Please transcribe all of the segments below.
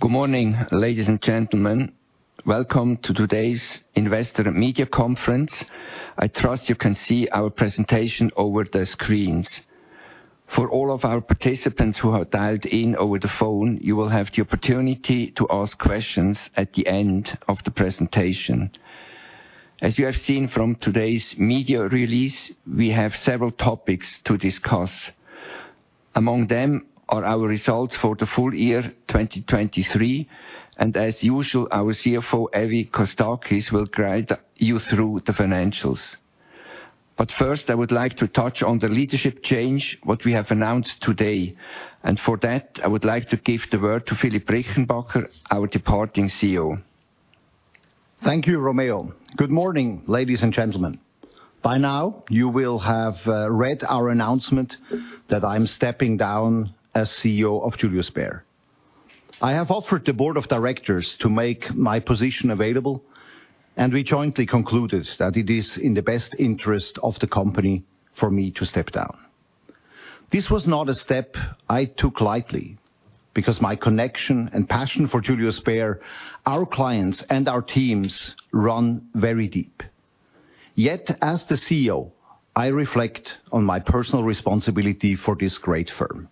Good morning, ladies and gentlemen. Welcome to today's Investor and Media Conference. I trust you can see our presentation over the screens. For all of our participants who have dialed in over the phone, you will have the opportunity to ask questions at the end of the presentation. As you have seen from today's media release, we have several topics to discuss. Among them are our results for the full year 2023, and as usual, our CFO, Evie Kostakis, will guide you through the financials. But first, I would like to touch on the leadership change, what we have announced today, and for that, I would like to give the word to Philipp Rickenbacher, our departing CEO. Thank you, Romeo. Good morning, ladies and gentlemen. By now, you will have read our announcement that I'm stepping down as CEO of Julius Bär. I have offered the board of directors to make my position available, and we jointly concluded that it is in the best interest of the company for me to step down. This was not a step I took lightly, because my connection and passion for Julius Bär, our clients, and our teams run very deep. Yet, as the CEO, I reflect on my personal responsibility for this great firm.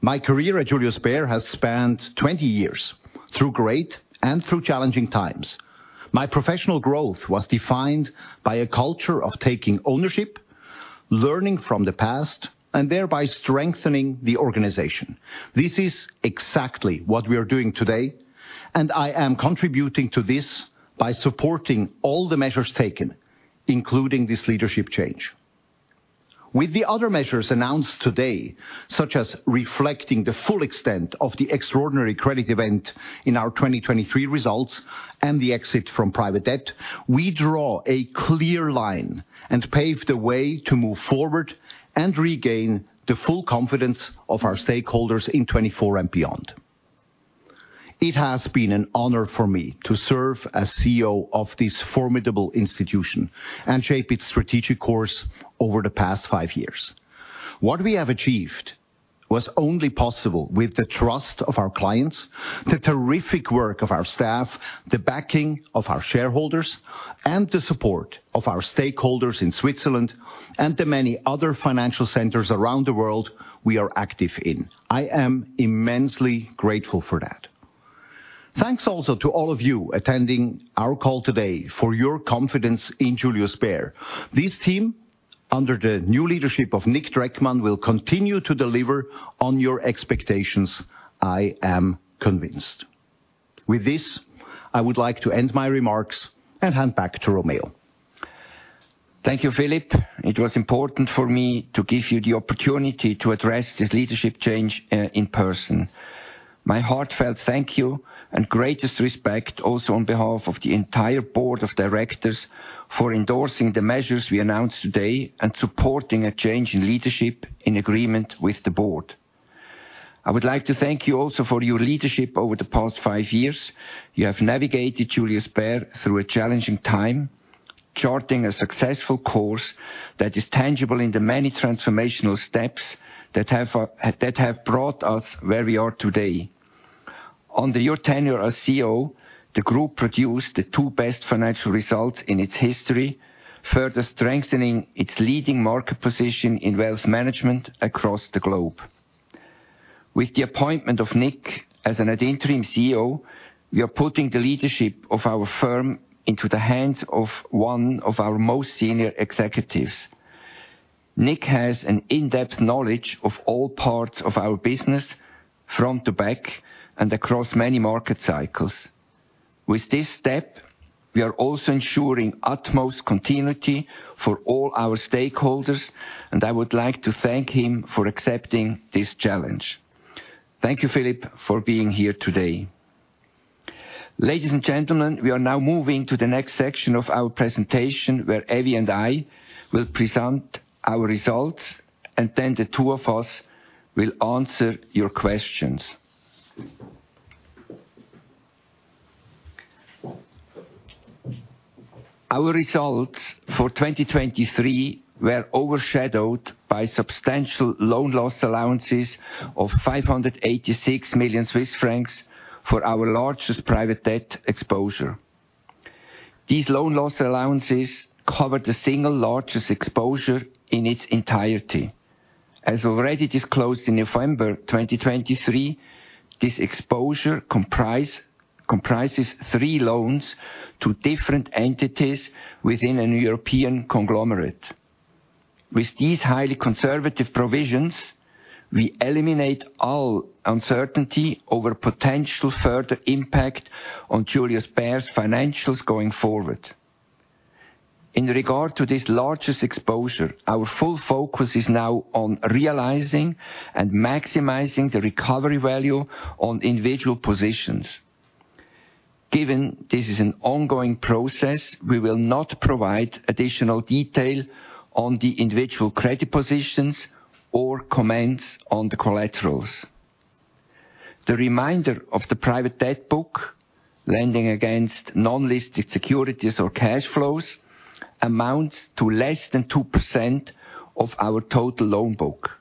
My career at Julius Bär has spanned 20 years, through great and through challenging times. My professional growth was defined by a culture of taking ownership, learning from the past, and thereby strengthening the organization. This is exactly what we are doing today, and I am contributing to this by supporting all the measures taken, including this leadership change. With the other measures announced today, such as reflecting the full extent of the extraordinary credit event in our 2023 results and the exit from private debt, we draw a clear line and pave the way to move forward and regain the full confidence of our stakeholders in 2024 and beyond. It has been an honor for me to serve as CEO of this formidable institution and shape its strategic course over the past five years. What we have achieved was only possible with the trust of our clients, the terrific work of our staff, the backing of our shareholders, and the support of our stakeholders in Switzerland and the many other financial centers around the world we are active in. I am immensely grateful for that. Thanks also to all of you attending our call today for your confidence in Julius Bär. This team, under the new leadership of Nic Dreckmann, will continue to deliver on your expectations, I am convinced. With this, I would like to end my remarks and hand back to Romeo. Thank you, Philipp. It was important for me to give you the opportunity to address this leadership change in person. My heartfelt thank you and greatest respect also on behalf of the entire board of directors for endorsing the measures we announced today and supporting a change in leadership in agreement with the board. I would like to thank you also for your leadership over the past five years. You have navigated Julius Bär through a challenging time, charting a successful course that is tangible in the many transformational steps that have brought us where we are today. Under your tenure as CEO, the group produced the two best financial results in its history, further strengthening its leading market position in wealth management across the globe. With the appointment of Nic as an interim CEO, we are putting the leadership of our firm into the hands of one of our most senior executives. Nic has an in-depth knowledge of all parts of our business, front to back, and across many market cycles. With this step, we are also ensuring utmost continuity for all our stakeholders, and I would like to thank him for accepting this challenge. Thank you, Philipp, for being here today. Ladies and gentlemen, we are now moving to the next section of our presentation, where Evie and I will present our results, and then the two of us will answer your questions. Our results for 2023 were overshadowed by substantial loan loss allowances of 586 million Swiss francs for our largest private debt exposure. These loan loss allowances covered the single largest exposure in its entirety. As already disclosed in November 2023, this exposure comprises three loans to different entities within a new European conglomerate. With these highly conservative provisions, we eliminate all uncertainty over potential further impact on Julius Bär's financials going forward. In regard to this largest exposure, our full focus is now on realizing and maximizing the recovery value on individual positions. Given this is an ongoing process, we will not provide additional detail on the individual credit positions or comments on the collaterals. The remainder of the private debt book lending against non-listed securities or cash flows amounts to less than two percent of our total loan book.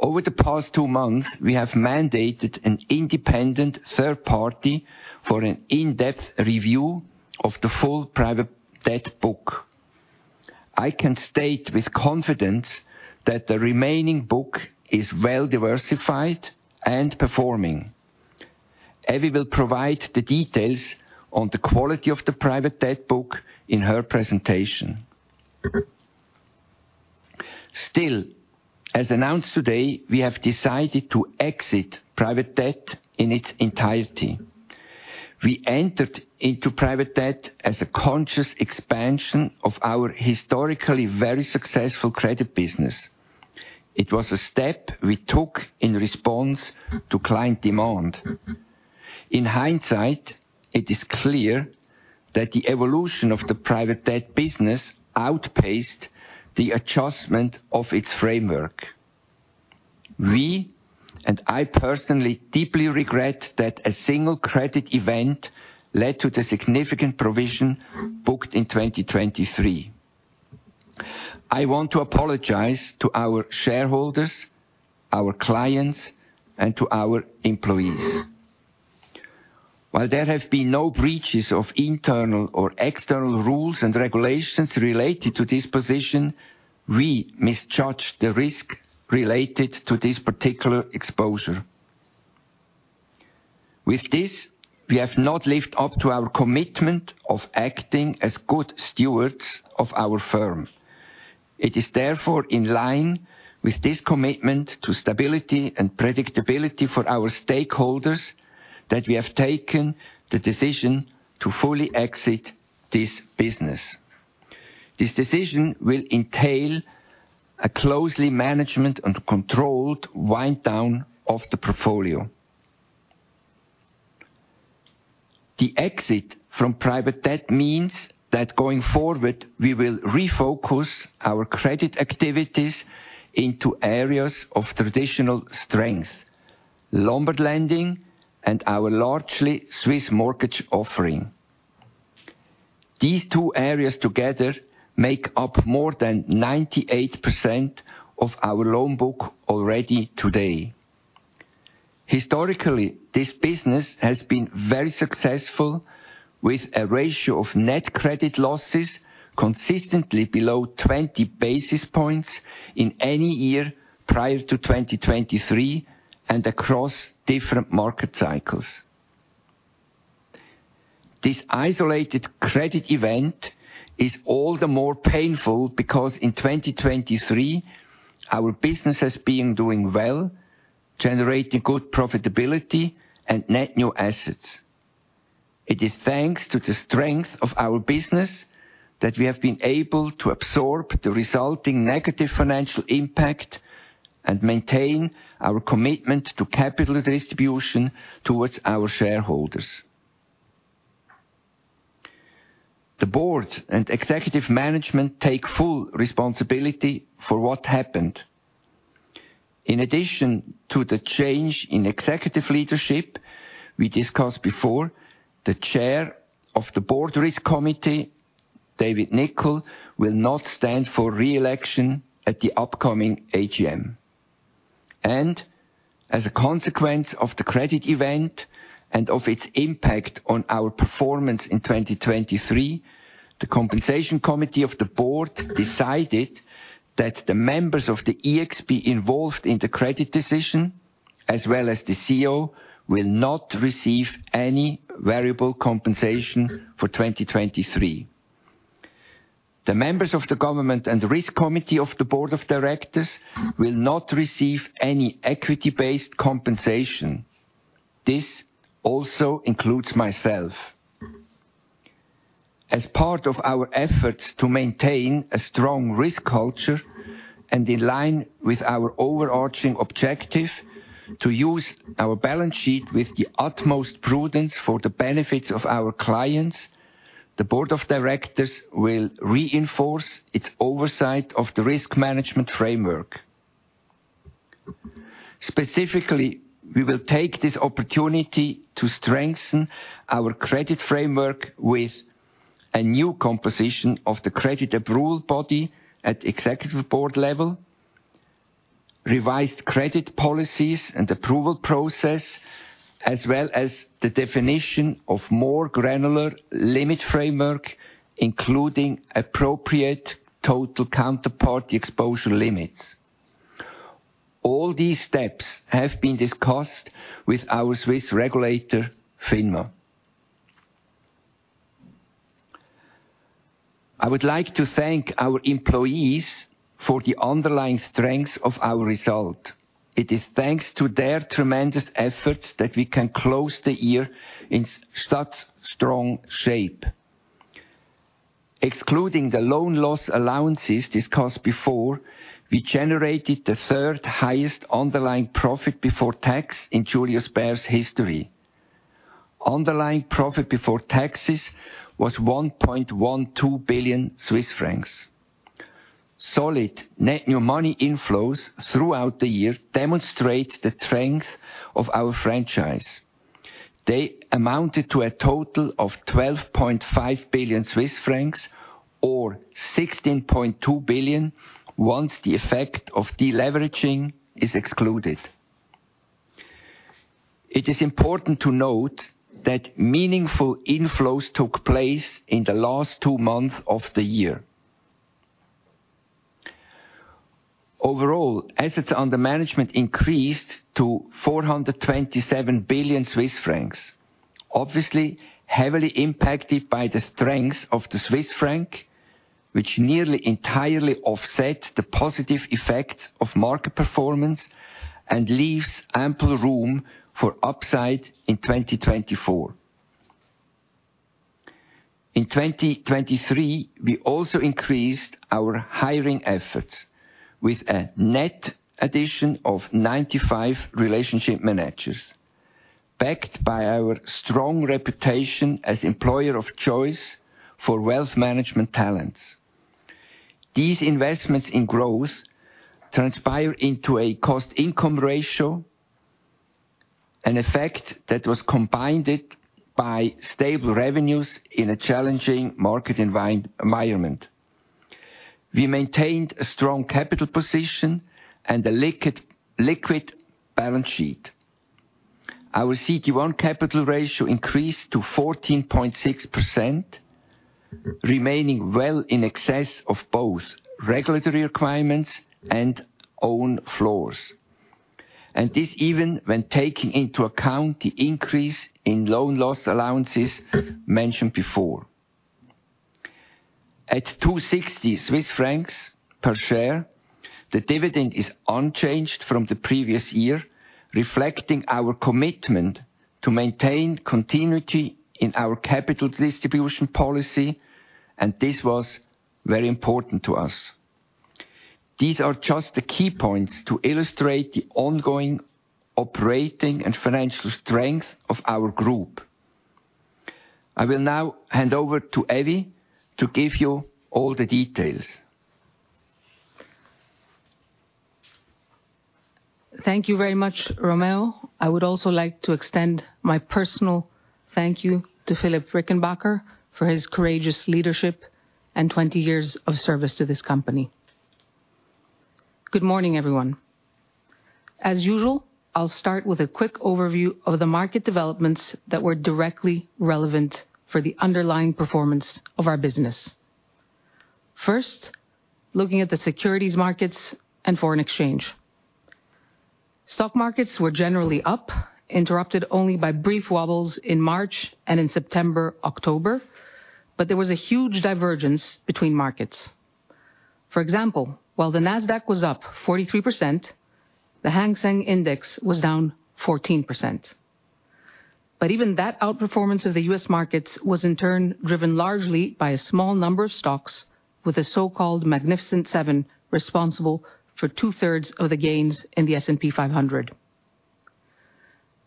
Over the past two months, we have mandated an independent third party for an in-depth review of the full private debt book. I can state with confidence that the remaining book is well diversified and performing. Evie will provide the details on the quality of the private debt book in her presentation. Still, as announced today, we have decided to exit private debt in its entirety. We entered into private debt as a conscious expansion of our historically very successful credit business. It was a step we took in response to client demand. In hindsight, it is clear that the evolution of the private debt business outpaced the adjustment of its framework. We, and I personally, deeply regret that a single credit event led to the significant provision booked in 2023. I want to apologize to our shareholders, our clients, and to our employees. While there have been no breaches of internal or external rules and regulations related to this position, we misjudged the risk related to this particular exposure. With this, we have not lived up to our commitment of acting as good stewards of our firm. It is therefore in line with this commitment to stability and predictability for our stakeholders, that we have taken the decision to fully exit this business. This decision will entail a closely managed and controlled wind down of the portfolio. The exit from private debt means that going forward, we will refocus our credit activities into areas of traditional strength: Lombard lending, and our largely Swiss mortgage offering. These two areas together make up more than 98% of our loan book already today. Historically, this business has been very successful, with a ratio of net credit losses consistently below 20 basis points in any year prior to 2023 and across different market cycles. This isolated credit event is all the more painful because in 2023, our business has been doing well, generating good profitability and net new assets. It is thanks to the strength of our business, that we have been able to absorb the resulting negative financial impact and maintain our commitment to capital distribution towards our shareholders. The board and executive management take full responsibility for what happened. In addition to the change in executive leadership we discussed before, the chair of the Governance and Risk Committee, David Nicol, will not stand for re-election at the upcoming AGM. As a consequence of the credit event and of its impact on our performance in 2023, the Compensation Committee of the board decided that the members of the ExCo involved in the credit decision, as well as the CEO, will not receive any variable compensation for 2023. The members of the Governance and the Risk Committee of the Board of Directors will not receive any equity-based compensation. This also includes myself. As part of our efforts to maintain a strong risk culture and in line with our overarching objective to use our balance sheet with the utmost prudence for the benefits of our clients, the Board of Directors will reinforce its oversight of the risk management framework. Specifically, we will take this opportunity to strengthen our credit framework with a new composition of the credit approval body at executive board level, revised credit policies and approval process, as well as the definition of more granular limit framework, including appropriate total counterparty exposure limits. All these steps have been discussed with our Swiss regulator, FINMA. I would like to thank our employees for the underlying strengths of our result. It is thanks to their tremendous efforts that we can close the year in such strong shape. Excluding the loan loss allowances discussed before, we generated the third highest underlying profit before tax in Julius Bär's history. Underlying profit before taxes was 1.12 billion Swiss francs. Solid net new money inflows throughout the year demonstrate the strength of our franchise. They amounted to a total of 12.5 billion Swiss francs, or 16.2 billion, once the effect of deleveraging is excluded. It is important to note that meaningful inflows took place in the last two months of the year. Overall, assets under management increased to 427 billion Swiss francs. Obviously, heavily impacted by the strength of the Swiss franc, which nearly entirely offset the positive effect of market performance and leaves ample room for upside in 2024. In 2023, we also increased our hiring efforts with a net addition of 95 relationship managers, backed by our strong reputation as employer of choice for wealth management talents. These investments in growth transpire into a cost-income ratio, an effect that was combined by stable revenues in a challenging market environment. We maintained a strong capital position and a liquid balance sheet. Our CET1 capital ratio increased to 14.6%, remaining well in excess of both regulatory requirements and own floors. And this even when taking into account the increase in loan loss allowances mentioned before. At 260 Swiss francs per share, the dividend is unchanged from the previous year, reflecting our commitment to maintain continuity in our capital distribution policy, and this was very important to us. These are just the key points to illustrate the ongoing operating and financial strength of our group. I will now hand over to Evie to give you all the details. Thank you very much, Romeo. I would also like to extend my personal thank you to Philipp Rickenbacher for his courageous leadership and 20 years of service to this company. Good morning, everyone. As usual, I'll start with a quick overview of the market developments that were directly relevant for the underlying performance of our business. First, looking at the securities markets and foreign exchange. Stock markets were generally up, interrupted only by brief wobbles in March and in September, October, but there was a huge divergence between markets. For example, while the Nasdaq was up 43%, the Hang Seng Index was down 14%. But even that outperformance of the US markets was in turn driven largely by a small number of stocks, with the so-called Magnificent Seven responsible for 2/3 of the gains in the SNB 500.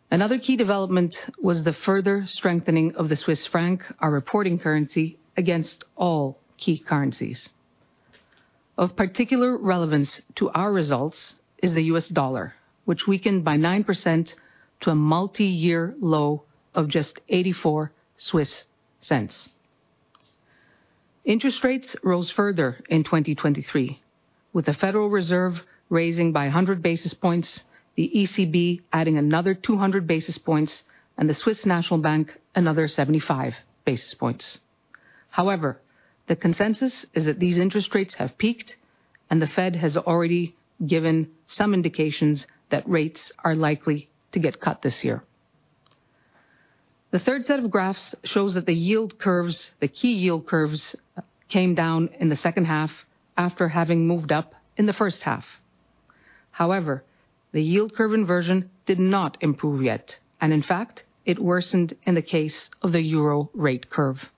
Another key development was the further strengthening of the Swiss franc, our reporting currency, against all key currencies. Of particular relevance to our results is the US dollar, which weakened by nine percent to a multi-year low of just 84 Swiss cents. Interest rates rose further in 2023, with the Federal Reserve raising by 100 basis points, the ECB adding another 200 basis points, and the Swiss National Bank, another 75 basis points. However, the consensus is that these interest rates have peaked, and the Fed has already given some indications that rates are likely to get cut this year. The third set of graphs shows that the yield curves, the key yield curves, came down in the second half after having moved up in the first half. However, the yield curve inversion did not improve yet, and in fact, it worsened in the case of the euro rate curve.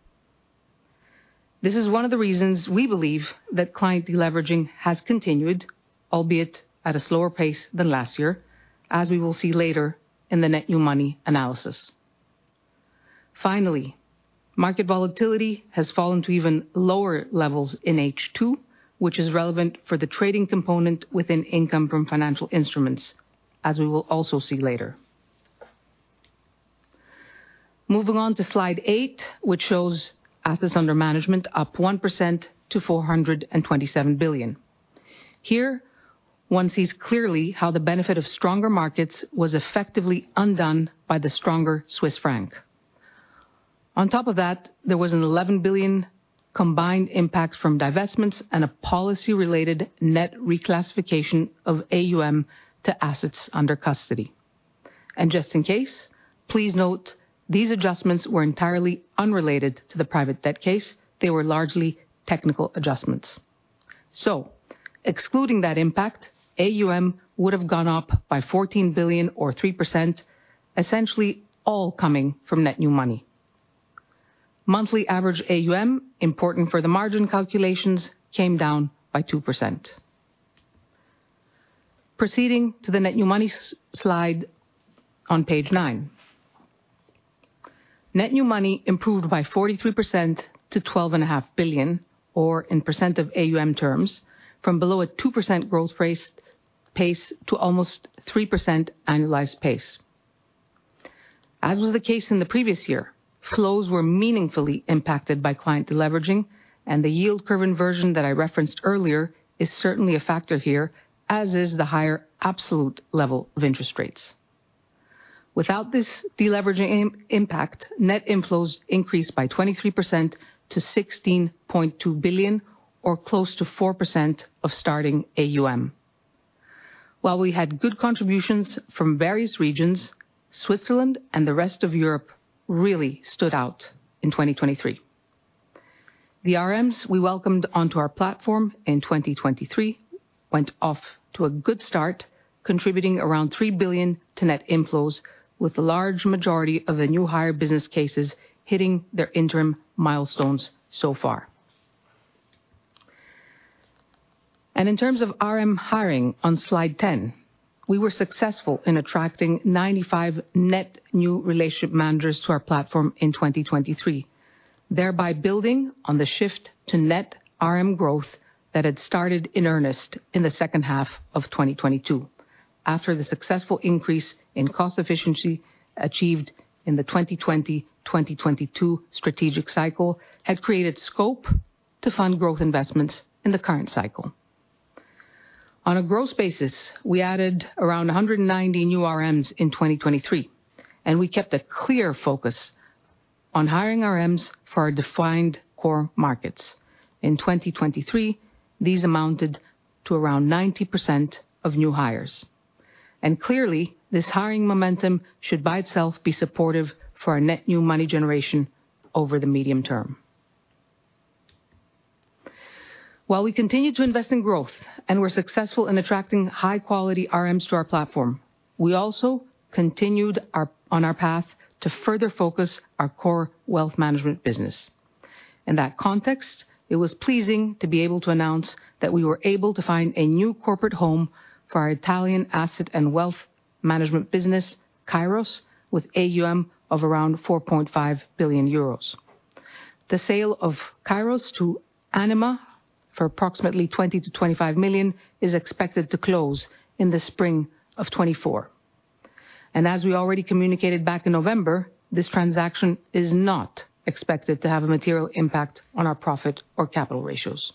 This is one of the reasons we believe that client deleveraging has continued, albeit at a slower pace than last year, as we will see later in the net new money analysis. Finally, market volatility has fallen to even lower levels in H2, which is relevant for the trading component within income from financial instruments, as we will also see later. Moving on to slide eight, which shows assets under management up 1% to 427 billion. Here, one sees clearly how the benefit of stronger markets was effectively undone by the stronger Swiss franc. On top of that, there was a 11 billion combined impact from divestments and a policy-related net reclassification of AUM to assets under custody. Just in case, please note, these adjustments were entirely unrelated to the private debt case. They were largely technical adjustments. Excluding that impact, AUM would have gone up by 14 billion or 3%, essentially all coming from net new money. Monthly average AUM, important for the margin calculations, came down by 2%. Proceeding to the net new money slide on page nine. Net new money improved by 43% to 12.5 billion, or in percent of AUM terms, from below a 2% growth rate-pace to almost 3% annualized pace. As was the case in the previous year, flows were meaningfully impacted by client deleveraging, and the yield curve inversion that I referenced earlier is certainly a factor here, as is the higher absolute level of interest rates. Without this deleveraging impact, net inflows increased by 23% to 16.2 billion, or close to 4% of starting AUM. While we had good contributions from various regions, Switzerland and the rest of Europe really stood out in 2023. The RMs we welcomed onto our platform in 2023 went off to a good start, around 3 billion to net inflows, with the large majority of the new hire business cases hitting their interim milestones so far. In terms of RM hiring on slide 10, we were successful in attracting 95 net new relationship managers to our platform in 2023, thereby building on the shift to net RM growth that had started in earnest in the second half of 2022, after the successful increase in cost efficiency achieved in the 2020, 2022 strategic cycle, had created scope to fund growth investments in the current cycle. On a gross basis, we added around 190 new RMs in 2023, and we kept a clear focus on hiring RMs for our defined core markets. In 2023, these amounted to around 90% of new hires, and clearly, this hiring momentum should by itself be supportive for our net new money generation over the medium term. While we continued to invest in growth and were successful in attracting high-quality RMs to our platform, we also continued on our path to further focus our core wealth management business. In that context, it was pleasing to be able to announce that we were able to find a new corporate home for our Italian asset and wealth management business, Kairos, with AUM of around 4.5 billion euros. The sale of Kairos to Anima for approximately 20 to 25 million is expected to close in the spring of 2024. And as we already communicated back in November, this transaction is not expected to have a material impact on our profit or capital ratios.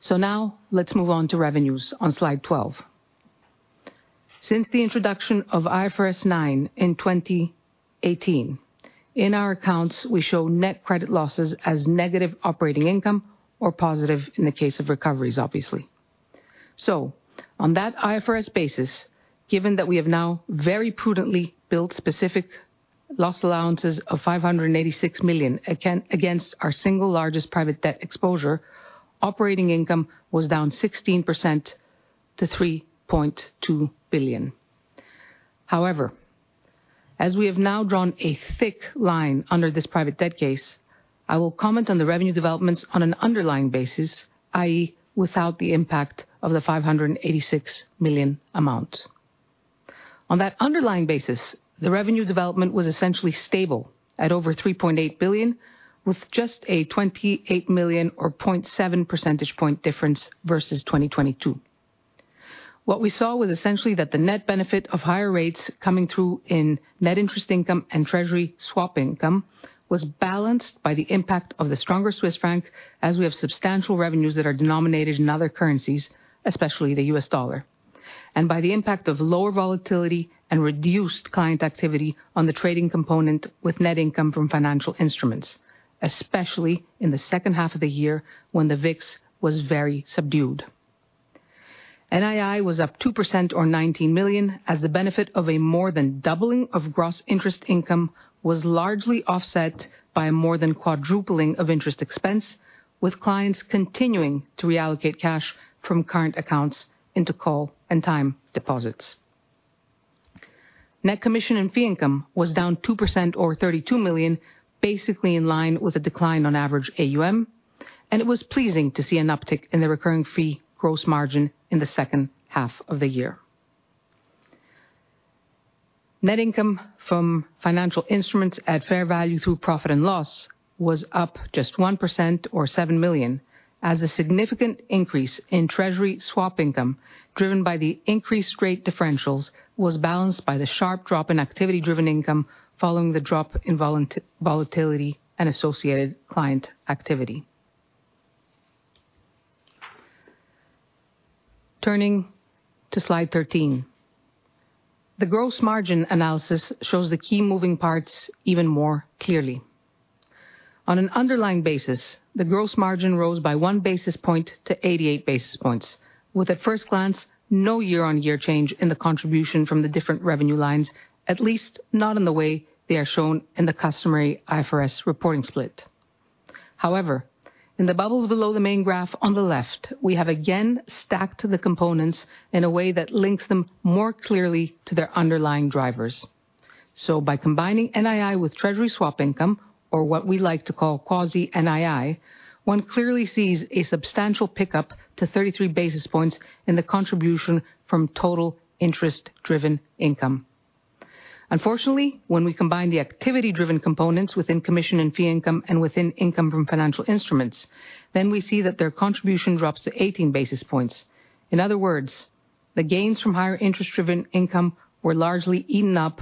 So now let's move on to revenues on slide 12. Since the introduction of IFRS 9 in 2018, in our accounts, we show net credit losses as negative operating income or positive in the case of recoveries, obviously. On that IFRS basis, given that we have now very prudently built specific loss allowances of 586 million again against our single largest private debt exposure, operating income was down 16% to 3.2 billion. However, as we have now drawn a thick line under this private debt case, I will comment on the revenue developments on an underlying basis, i.e., without the impact of the 586 million amount. On that underlying basis, the revenue development was essentially stable at over 3.8 billion, with just a 28 million or 0.7 percentage point difference versus 2022. What we saw was essentially that the net benefit of higher rates coming through in net interest income and treasury swap income was balanced by the impact of the stronger Swiss franc, as we have substantial revenues that are denominated in other currencies, especially the US dollar, and by the impact of lower volatility and reduced client activity on the trading component with net income from financial instruments, especially in the second half of the year when the VIX was very subdued. NII was up 2% or 19 million, as the benefit of a more than doubling of gross interest income was largely offset by a more than quadrupling of interest expense, with clients continuing to reallocate cash from current accounts into call and time deposits. Net commission and fee income was down 2% or 32 million, basically in line with a decline on average AUM, and it was pleasing to see an uptick in the recurring fee gross margin in the second half of the year. Net income from financial instruments at fair value through profit and loss was up just 1% or 7 million, as a significant increase in treasury swap income, driven by the increased rate differentials, was balanced by the sharp drop in activity-driven income following the drop in volatility and associated client activity. Turning to slide 13, the gross margin analysis shows the key moving parts even more clearly. On an underlying basis, the gross margin rose by one basis point to 88 basis points, with at first glance, no year-on-year change in the contribution from the different revenue lines, at least not in the way they are shown in the customary IFRS reporting split. However, in the bubbles below the main graph on the left, we have again stacked the components in a way that links them more clearly to their underlying drivers. By combining NII with treasury swap income, or what we like to call quasi NII, one clearly sees a substantial pickup to 33 basis points in the contribution from total interest-driven income. Unfortunately, when we combine the activity-driven components within commission and fee income and within income from financial instruments, then we see that their contribution drops to 18 basis points. In other words, the gains from higher interest-driven income were largely eaten up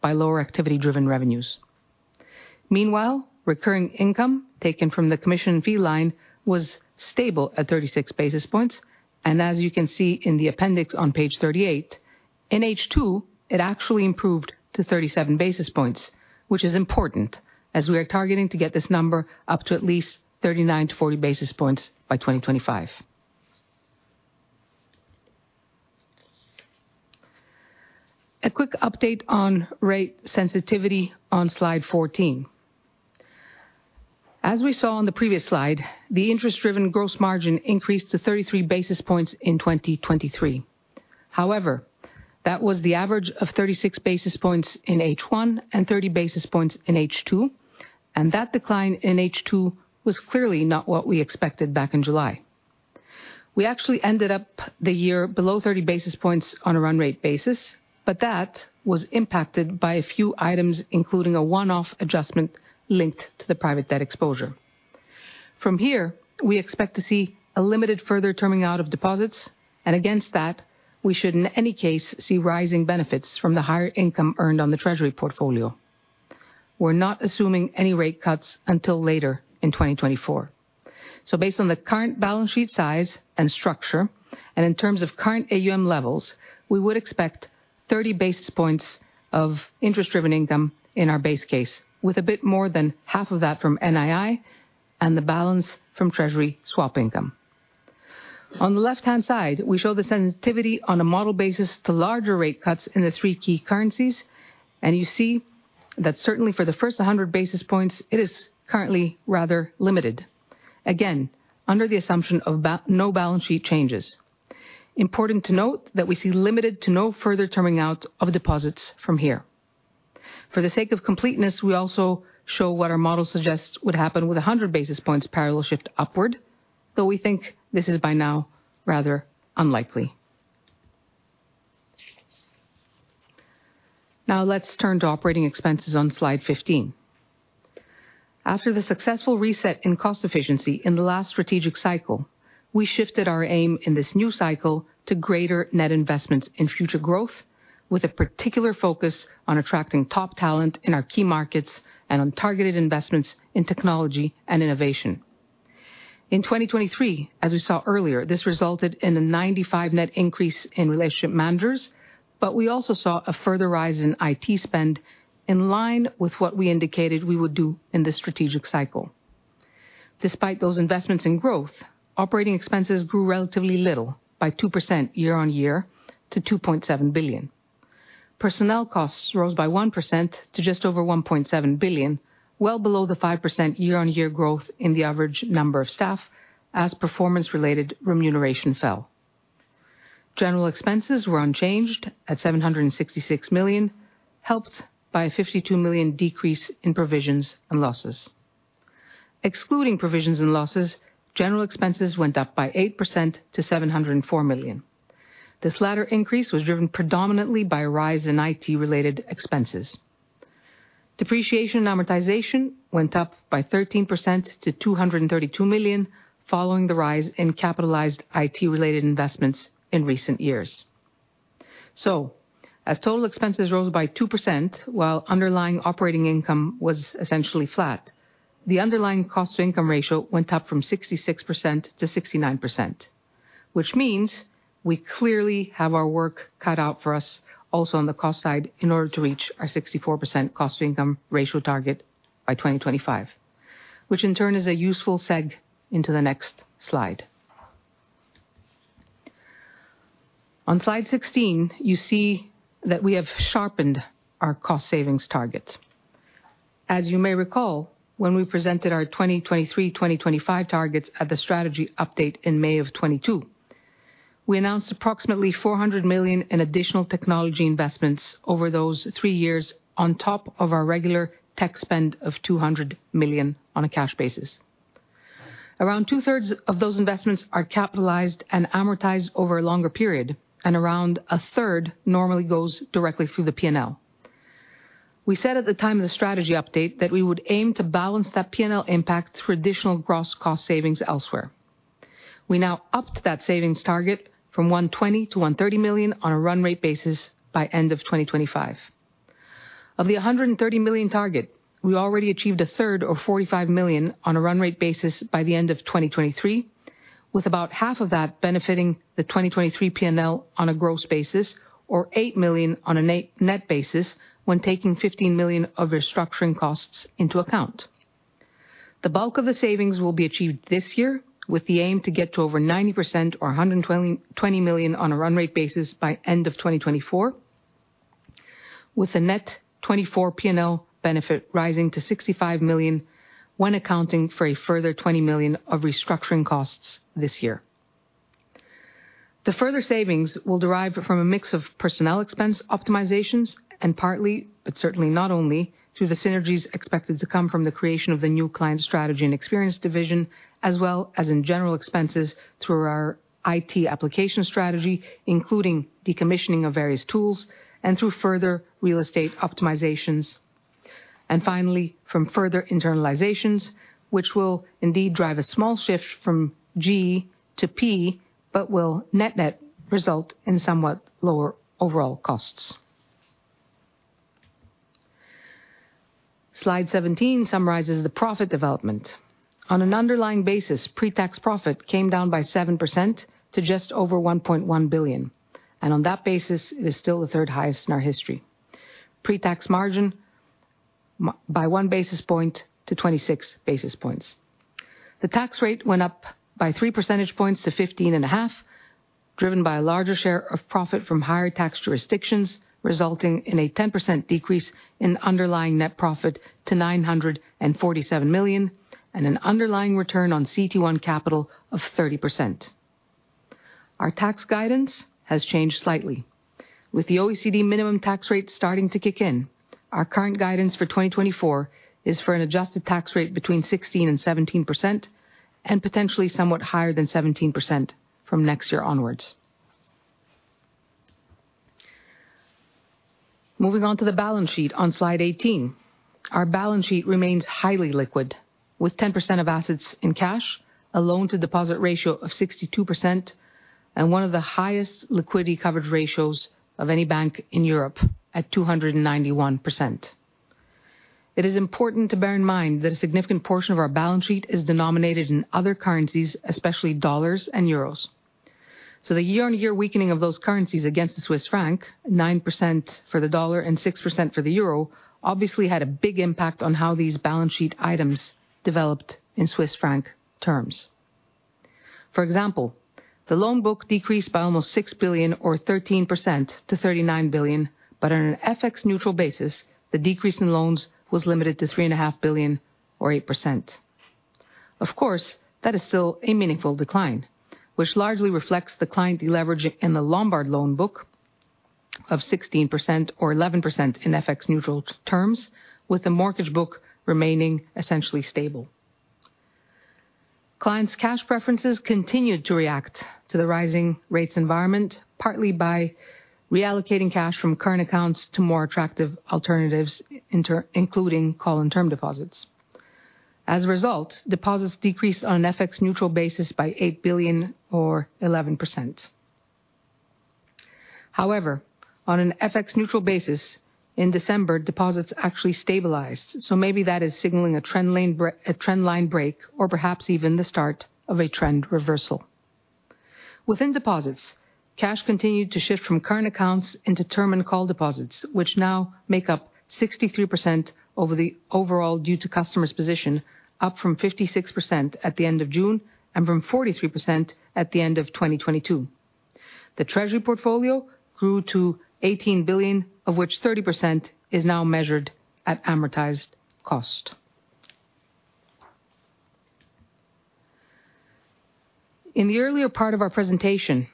by lower activity-driven revenues. Meanwhile, recurring income taken from the commission fee line was stable at 36 basis points, and as you can see in the appendix on page 38, in H2, it actually improved to 37 basis points, which is important, as we are targeting to get this number up to at least 39 to 40 basis points by 2025. A quick update on rate sensitivity on slide 14. As we saw on the previous slide, the interest-driven gross margin increased to 33 basis points in 2023. However, that was the average of 36 basis points in H1 and 30 basis points in H2, and that decline in H2 was clearly not what we expected back in July. We actually ended up the year below 30 basis points on a run rate basis, but that was impacted by a few items, including a one-off adjustment linked to the private debt exposure. From here, we expect to see a limited further terming out of deposits, and against that, we should in any case, see rising benefits from the higher income earned on the treasury portfolio. We're not assuming any rate cuts until later in 2024. Based on the current balance sheet size and structure, and in terms of current AUM levels, we would expect 30 basis points of interest-driven income in our base case, with a bit more than half of that from NII and the balance from treasury swap income. On the left-hand side, we show the sensitivity on a model basis to larger rate cuts in the three key currencies, and you see that certainly for the first 100 basis points, it is currently rather limited. Again, under the assumption of no balance sheet changes. Important to note that we see limited to no further terming out of deposits from here. For the sake of completeness, we also show what our model suggests would happen with 100 basis points parallel shift upward, though we think this is by now rather unlikely. Now, let's turn to operating expenses on slide 15. After the successful reset in cost efficiency in the last strategic cycle, we shifted our aim in this new cycle to greater net investments in future growth, with a particular focus on attracting top talent in our key markets and on targeted investments in technology and innovation. In 2023, as we saw earlier, this resulted in a 95 net increase in relationship managers, but we also saw a further rise in IT spend in line with what we indicated we would do in this strategic cycle. Despite those investments in growth, operating expenses grew relatively little by 2% year-on-year to 2.7 billion. Personnel costs rose by 1% to just over 1.7 billion, well below the 5% year-on-year growth in the average number of staff as performance-related remuneration fell. General expenses were unchanged at 766 million, helped by a 52 million decrease in provisions and losses. Excluding provisions and losses, general expenses went up by 8% to 704 million. This latter increase was driven predominantly by a rise in IT-related expenses. Depreciation and amortization went up by 13% to 232 million, following the rise in capitalized IT-related investments in recent years. As total expenses rose by 2%, while underlying operating income was essentially flat, the underlying cost to income ratio went up from 66% to 69%, which means we clearly have our work cut out for us also on the cost side, in order to reach our 64% cost to income ratio target by 2025, which in turn is a useful segue into the next slide. On slide 16, you see that we have sharpened our cost savings targets. As you may recall, when we presented our 2023, 2025 targets at the strategy update in May of 2022, we announced approximately 400 million in additional technology investments over those three years, on top of our regular tech spend of 200 million on a cash basis. Around two-thirds of those investments are capitalized and amortized over a longer period, and around a third normally goes directly through the P&L. We said at the time of the strategy update that we would aim to balance that P&L impact through additional gross cost savings elsewhere. We now upped that savings target from 120 million to 130 million on a run rate basis by end of 2025. Of the 130 million target, we already achieved a third or 45 million on a run rate basis by the end of 2023, with about half of that benefiting the 2023 P&L on a gross basis, or 8 million on a net, net basis when taking 15 million of restructuring costs into account. The bulk of the savings will be achieved this year, with the aim to get to over 90% or 120 to 130 million on a run rate basis by end of 2024, with a net 2024 P&L benefit rising to 65 million when accounting for a further 20 million of restructuring costs this year. The further savings will derive from a mix of personnel expense optimizations, and partly, but certainly not only, through the synergies expected to come from the creation of the new client strategy and experience division, as well as in general expenses through our IT application strategy, including decommissioning of various tools and through further real estate optimizations. Finally, from further internalizations, which will indeed drive a small shift from G to P, but will net-net result in somewhat lower overall costs. Slide 17 summarizes the profit development. On an underlying basis, pre-tax profit came down by 7% to just over 1.1 billion, and on that basis, it is still the third highest in our history. Pre-tax margin by 1 basis point to 26 basis points. The tax rate went up by three percentage points to 15.5, driven by a larger share of profit from higher tax jurisdictions, resulting in a 10% decrease in underlying net profit to 947 million, and an underlying return on CET1 capital of 30%. Our tax guidance has changed slightly. With the OECD minimum tax rate starting to kick in, our current guidance for 2024 is for an adjusted tax rate between 16% and 17%, and potentially somewhat higher than 17% from next year onwards. Moving on to the balance sheet on slide 18. Our balance sheet remains highly liquid, with 10% of assets in cash, a loan-to-deposit ratio of 62%, and one of the highest liquidity coverage ratios of any bank in Europe at 291%. It is important to bear in mind that a significant portion of our balance sheet is denominated in other currencies, especially dollars and euros. The year-on-year weakening of those currencies against the Swiss franc, 9% for the dollar and 6% for the euro, obviously had a big impact on how these balance sheet items developed in Swiss franc terms. For example, the loan book decreased by almost 6 billion or 13% to 39 billion, but on an FX neutral basis, the decrease in loans was limited to 3.5 billion or 8%. Of course, that is still a meaningful decline, which largely reflects the client deleveraging in the Lombard loan book of 16% or 11% in FX neutral terms, with the mortgage book remaining essentially stable. Clients' cash preferences continued to react to the rising rates environment, partly by reallocating cash from current accounts to more attractive alternatives, including call and term deposits. As a result, deposits decreased on an FX neutral basis by 8 billion or 11%. However, on an FX neutral basis, in December, deposits actually stabilized, so maybe that is signaling a trendline break, or perhaps even the start of a trend reversal. Within deposits, cash continued to shift from current accounts into term and call deposits, which now make up 63% of the overall due to customers' position, up from 56% at the end of June and from 43% at the end of 2022. The treasury portfolio grew to 18 billion, of which 30% is now measured at amortized cost. In the earlier part of our presentation,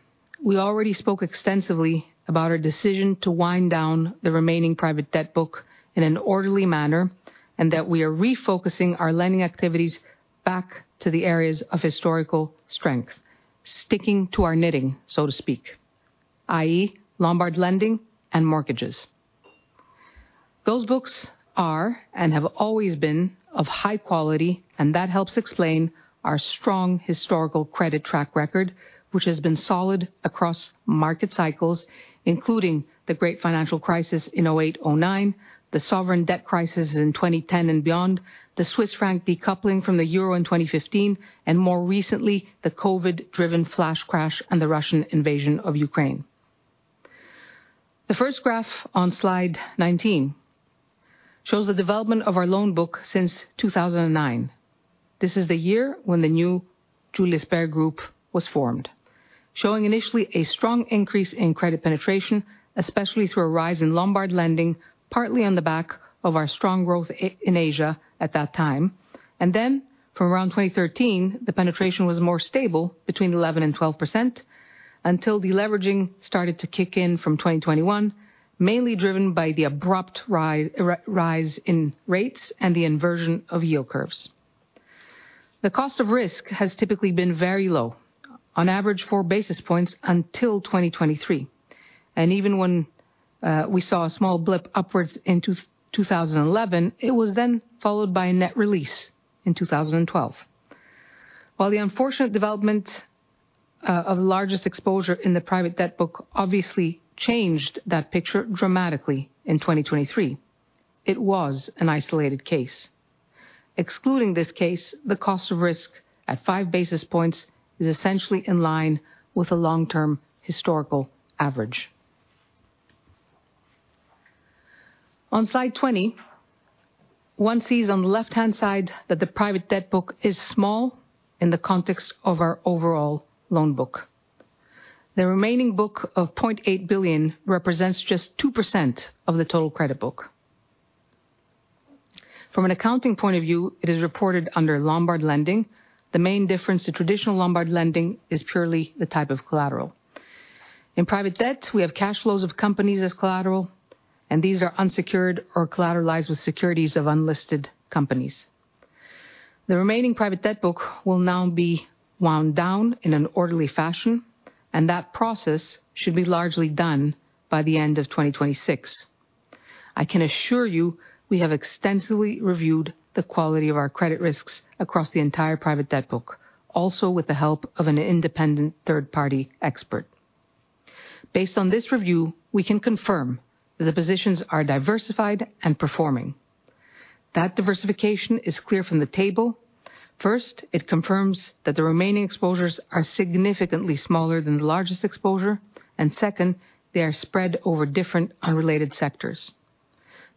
we already spoke extensively about our decision to wind down the remaining private debt book in an orderly manner, and that we are refocusing our lending activities back to the areas of historical strength, sticking to our knitting, so to speak, i.e., Lombard lending and mortgages. Those books are, and have always been, of high quality, and that helps explain our strong historical credit track record, which has been solid across market cycles, including the great financial crisis in 2008, 2009, the sovereign debt crisis in 2010 and beyond, the Swiss franc decoupling from the euro in 2015, and more recently, the COVID-driven flash crash and the Russian invasion of Ukraine. The first graph on slide 19 shows the development of our loan book since 2009. This is the year when the new Julius Bär Group was formed, showing initially a strong increase in credit penetration, especially through a rise in Lombard lending, partly on the back of our strong growth in Asia at that time. Then from around 2013, the penetration was more stable between 11% and 12% until deleveraging started to kick in from 2021, mainly driven by the abrupt rise in rates and the inversion of yield curves. The cost of risk has typically been very low, on average, four basis points until 2023. And even when we saw a small blip upwards into 2011, it was then followed by a net release in 2012. While the unfortunate development of largest exposure in the private debt book obviously changed that picture dramatically in 2023, it was an isolated case. Excluding this case, the cost of risk at 5 basis points is essentially in line with a long-term historical average. On slide 20, one sees on the left-hand side that the private debt book is small in the context of our overall loan book. The remaining book of 0.8 billion represents just 2% of the total credit book. From an accounting point of view, it is reported under Lombard lending. The main difference to traditional Lombard lending is purely the type of collateral. In private debt, we have cash flows of companies as collateral, and these are unsecured or collateralized with securities of unlisted companies. The remaining private debt book will now be wound down in an orderly fashion, and that process should be largely done by the end of 2026. I can assure you, we have extensively reviewed the quality of our credit risks across the entire private debt book, also with the help of an independent third-party expert. Based on this review, we can confirm that the positions are diversified and performing. That diversification is clear from the table. First, it confirms that the remaining exposures are significantly smaller than the largest exposure, and second, they are spread over different unrelated sectors.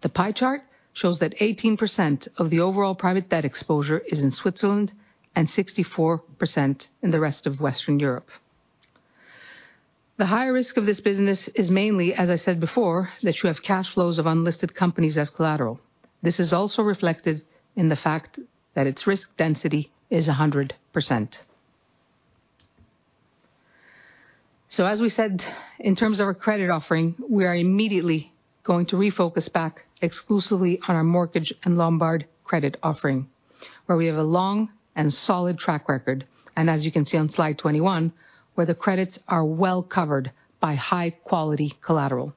The pie chart shows that 18% of the overall private debt exposure is in Switzerland, and 64% in the rest of Western Europe. The higher risk of this business is mainly, as I said before, that you have cash flows of unlisted companies as collateral. This is also reflected in the fact that its risk density is 100%. As we said, in terms of our credit offering, we are immediately going to refocus back exclusively on our mortgage and Lombard credit offering, where we have a long and solid track record, and as you can see on slide 21, where the credits are well covered by high-quality collateral.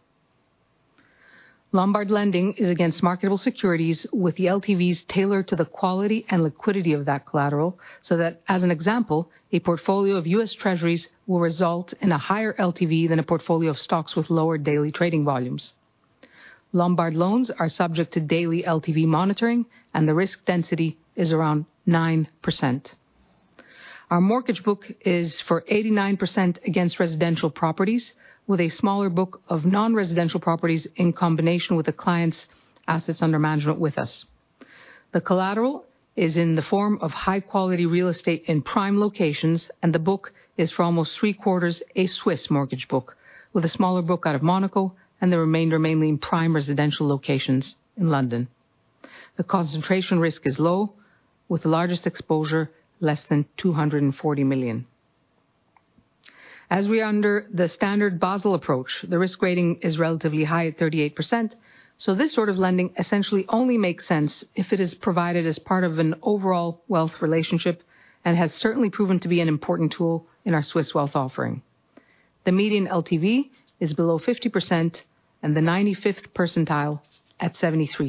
Lombard lending is against marketable securities, with the LTVs tailored to the quality and liquidity of that collateral, so that, as an example, a portfolio of U.S. Treasuries will result in a higher LTV than a portfolio of stocks with lower daily trading volumes. Lombard loans are subject to daily LTV monitoring, and the risk density is around 9%. Our mortgage book is for 89% against residential properties, with a smaller book of non-residential properties in combination with the client's assets under management with us. The collateral is in the form of high-quality real estate in prime locations, and the book is for almost three-quarters a Swiss mortgage book, with a smaller book out of Monaco and the remainder mainly in prime residential locations in London. The concentration risk is low, with the largest exposure less than 240 million. As we are under the standard Basel approach, the risk rating is relatively high at 38%, so this sort of lending essentially only makes sense if it is provided as part of an overall wealth relationship and has certainly proven to be an important tool in our Swiss wealth offering. The median LTV is below 50% and the 95th percentile at 73%.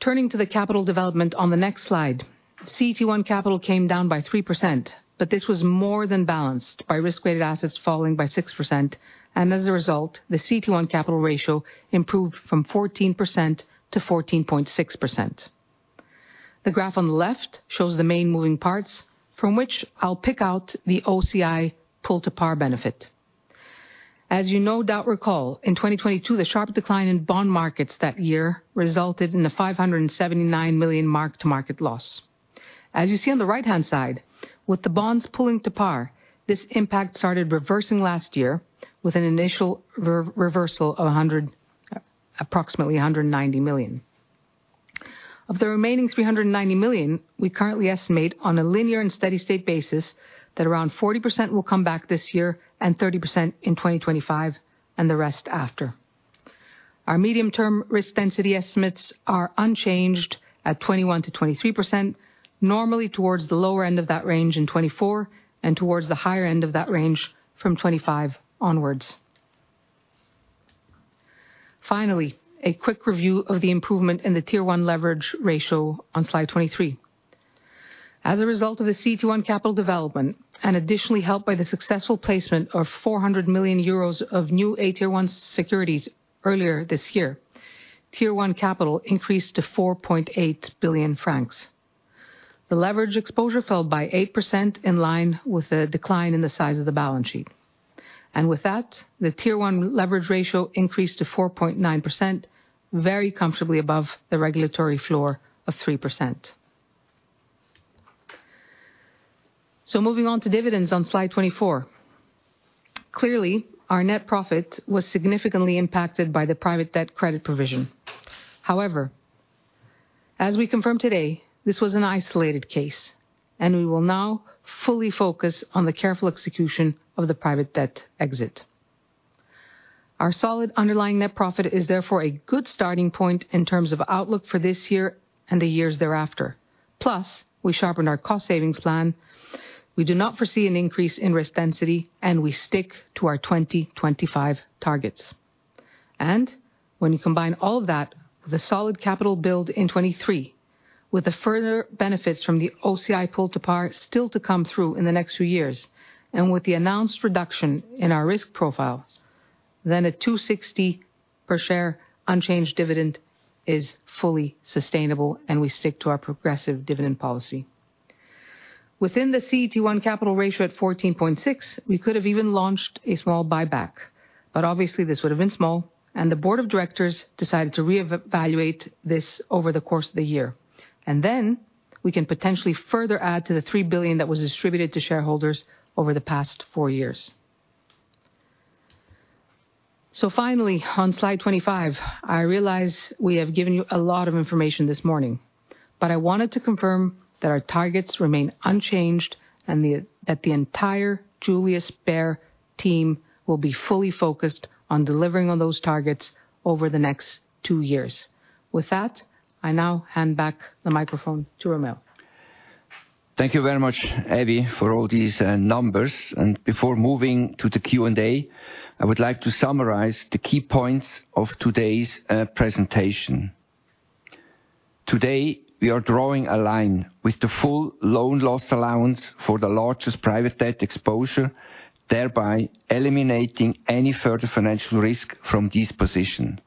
Turning to the capital development on the next slide, CET1 capital came down by 3%, but this was more than balanced by risk-weighted assets falling by 6%, and as a result, the CET1 capital ratio improved from 14% to 14.6%. The graph on the left shows the main moving parts from which I'll pick out the OCI pull to par benefit. As you no doubt recall, in 2022, the sharp decline in bond markets that year resulted in a 579 million mark-to-market loss. As you see on the right-hand side, with the bonds pulling to par, this impact started reversing last year with an initial reversal of approximately a 190 million. Of the remaining 390 million, we currently estimate on a linear and steady state basis that around 40% will come back this year and 30% in 2025, and the rest after. Our medium-term risk density estimates are unchanged at 21% to 23%, normally towards the lower end of that range in 2024, and towards the higher end of that range from 2025 onwards. Finally, a quick review of the improvement in the Tier 1 leverage ratio on slide 23. As a result of the CET1 capital development, and additionally helped by the successful placement of 400 million euros of new AT1 securities earlier this year, Tier 1 capital increased to 4.8 billion francs. The leverage exposure fell by 8% in line with the decline in the size of the balance sheet. With that, the Tier 1 leverage ratio increased to 4.9%, very comfortably above the regulatory floor of 3%. Moving on to dividends on slide 24. Clearly, our net profit was significantly impacted by the private debt credit provision. However, as we confirmed today, this was an isolated case, and we will now fully focus on the careful execution of the private debt exit. Our solid underlying net profit is therefore a good starting point in terms of outlook for this year and the years thereafter. Plus, we sharpened our cost savings plan, we do not foresee an increase in risk density, and we stick to our 2025 targets. When you combine all of that with a solid capital build in 2023, with the further benefits from the OCI pull to par still to come through in the next few years, and with the announced reduction in our risk profile, then a 2.60 per share unchanged dividend is fully sustainable, and we stick to our progressive dividend policy. Within the CET1 capital ratio at 14.6%, we could have even launched a small buyback, but obviously, this would have been small, and the board of directors decided to reevaluate this over the course of the year. Then we can potentially further add to the 3 billion that was distributed to shareholders over the past four years. Finally, on slide 25, I realize we have given you a lot of information this morning, but I wanted to confirm that our targets remain unchanged and that the entire Julius Bär team will be fully focused on delivering on those targets over the next two years. With that, I now hand back the microphone to Romeo. Thank you very much, Evie, for all these numbers. Before moving to the Q&A, I would like to summarize the key points of today's presentation. Today, we are drawing a line with the full loan loss allowance for the largest private debt exposure, thereby eliminating any further financial risk from this position.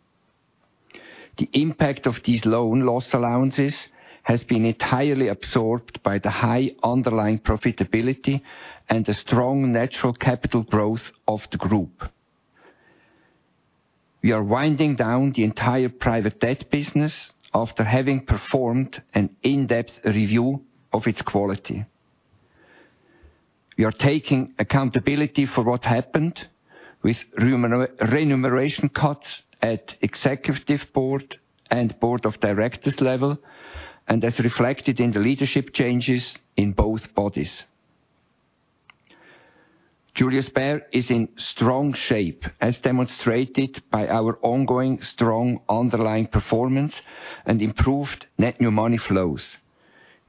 The impact of these loan loss allowances has been entirely absorbed by the high underlying profitability and the strong natural capital growth of the group. We are winding down the entire private debt business after having performed an in-depth review of its quality. We are taking accountability for what happened with remuneration cuts at executive board and board of directors level, and as reflected in the leadership changes in both bodies. Julius Bär is in strong shape, as demonstrated by our ongoing strong underlying performance and improved net new money flows.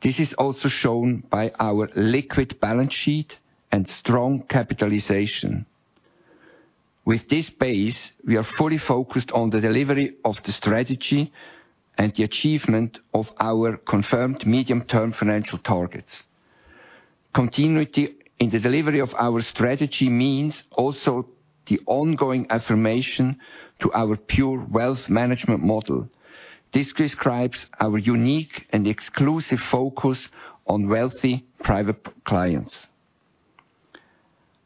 This is also shown by our liquid balance sheet and strong capitalization. With this base, we are fully focused on the delivery of the strategy and the achievement of our confirmed medium-term financial targets. Continuity in the delivery of our strategy means also the ongoing affirmation to our pure wealth management model. This describes our unique and exclusive focus on wealthy private clients.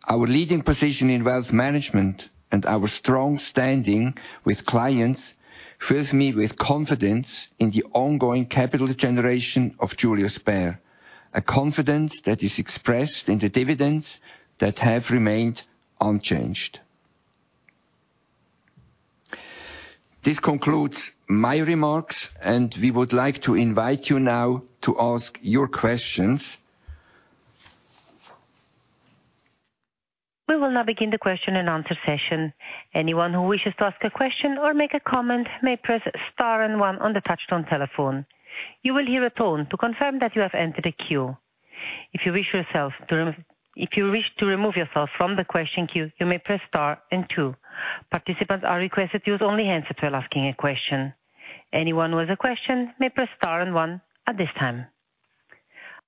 Our leading position in wealth management and our strong standing with clients fills me with confidence in the ongoing capital generation of Julius Bär, a confidence that is expressed in the dividends that have remained unchanged. This concludes my remarks, and we would like to invite you now to ask your questions. We will now begin the question and answer session. Anyone who wishes to ask a question or make a comment may press star and one on the touchtone telephone. You will hear a tone to confirm that you have entered a queue. If you wish to remove yourself from the question queue, you may press star and two. Participants are requested to use only handsets to ask a question. Anyone with a question may press star and one at this time.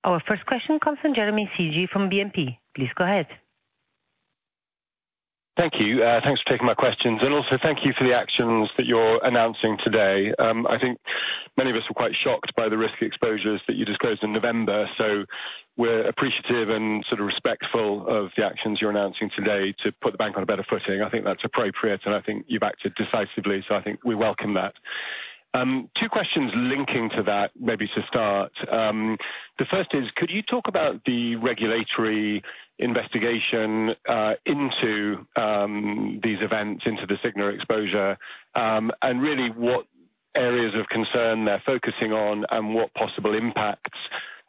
Our first question comes from Jeremy Sigee from BNP. Please go ahead. Thank you. Thanks for taking my questions, and also thank you for the actions that you're announcing today. I think many of us were quite shocked by the risk exposures that you disclosed in November, so we're appreciative and sort of respectful of the actions you're announcing today to put the bank on a better footing. I think that's appropriate, and I think you've acted decisively, so I think we welcome that. Two questions linking to that, maybe to start. The first is, could you talk about the regulatory investigation into these events, into the Signa exposure? Really, what areas of concern they're focusing on, and what possible impacts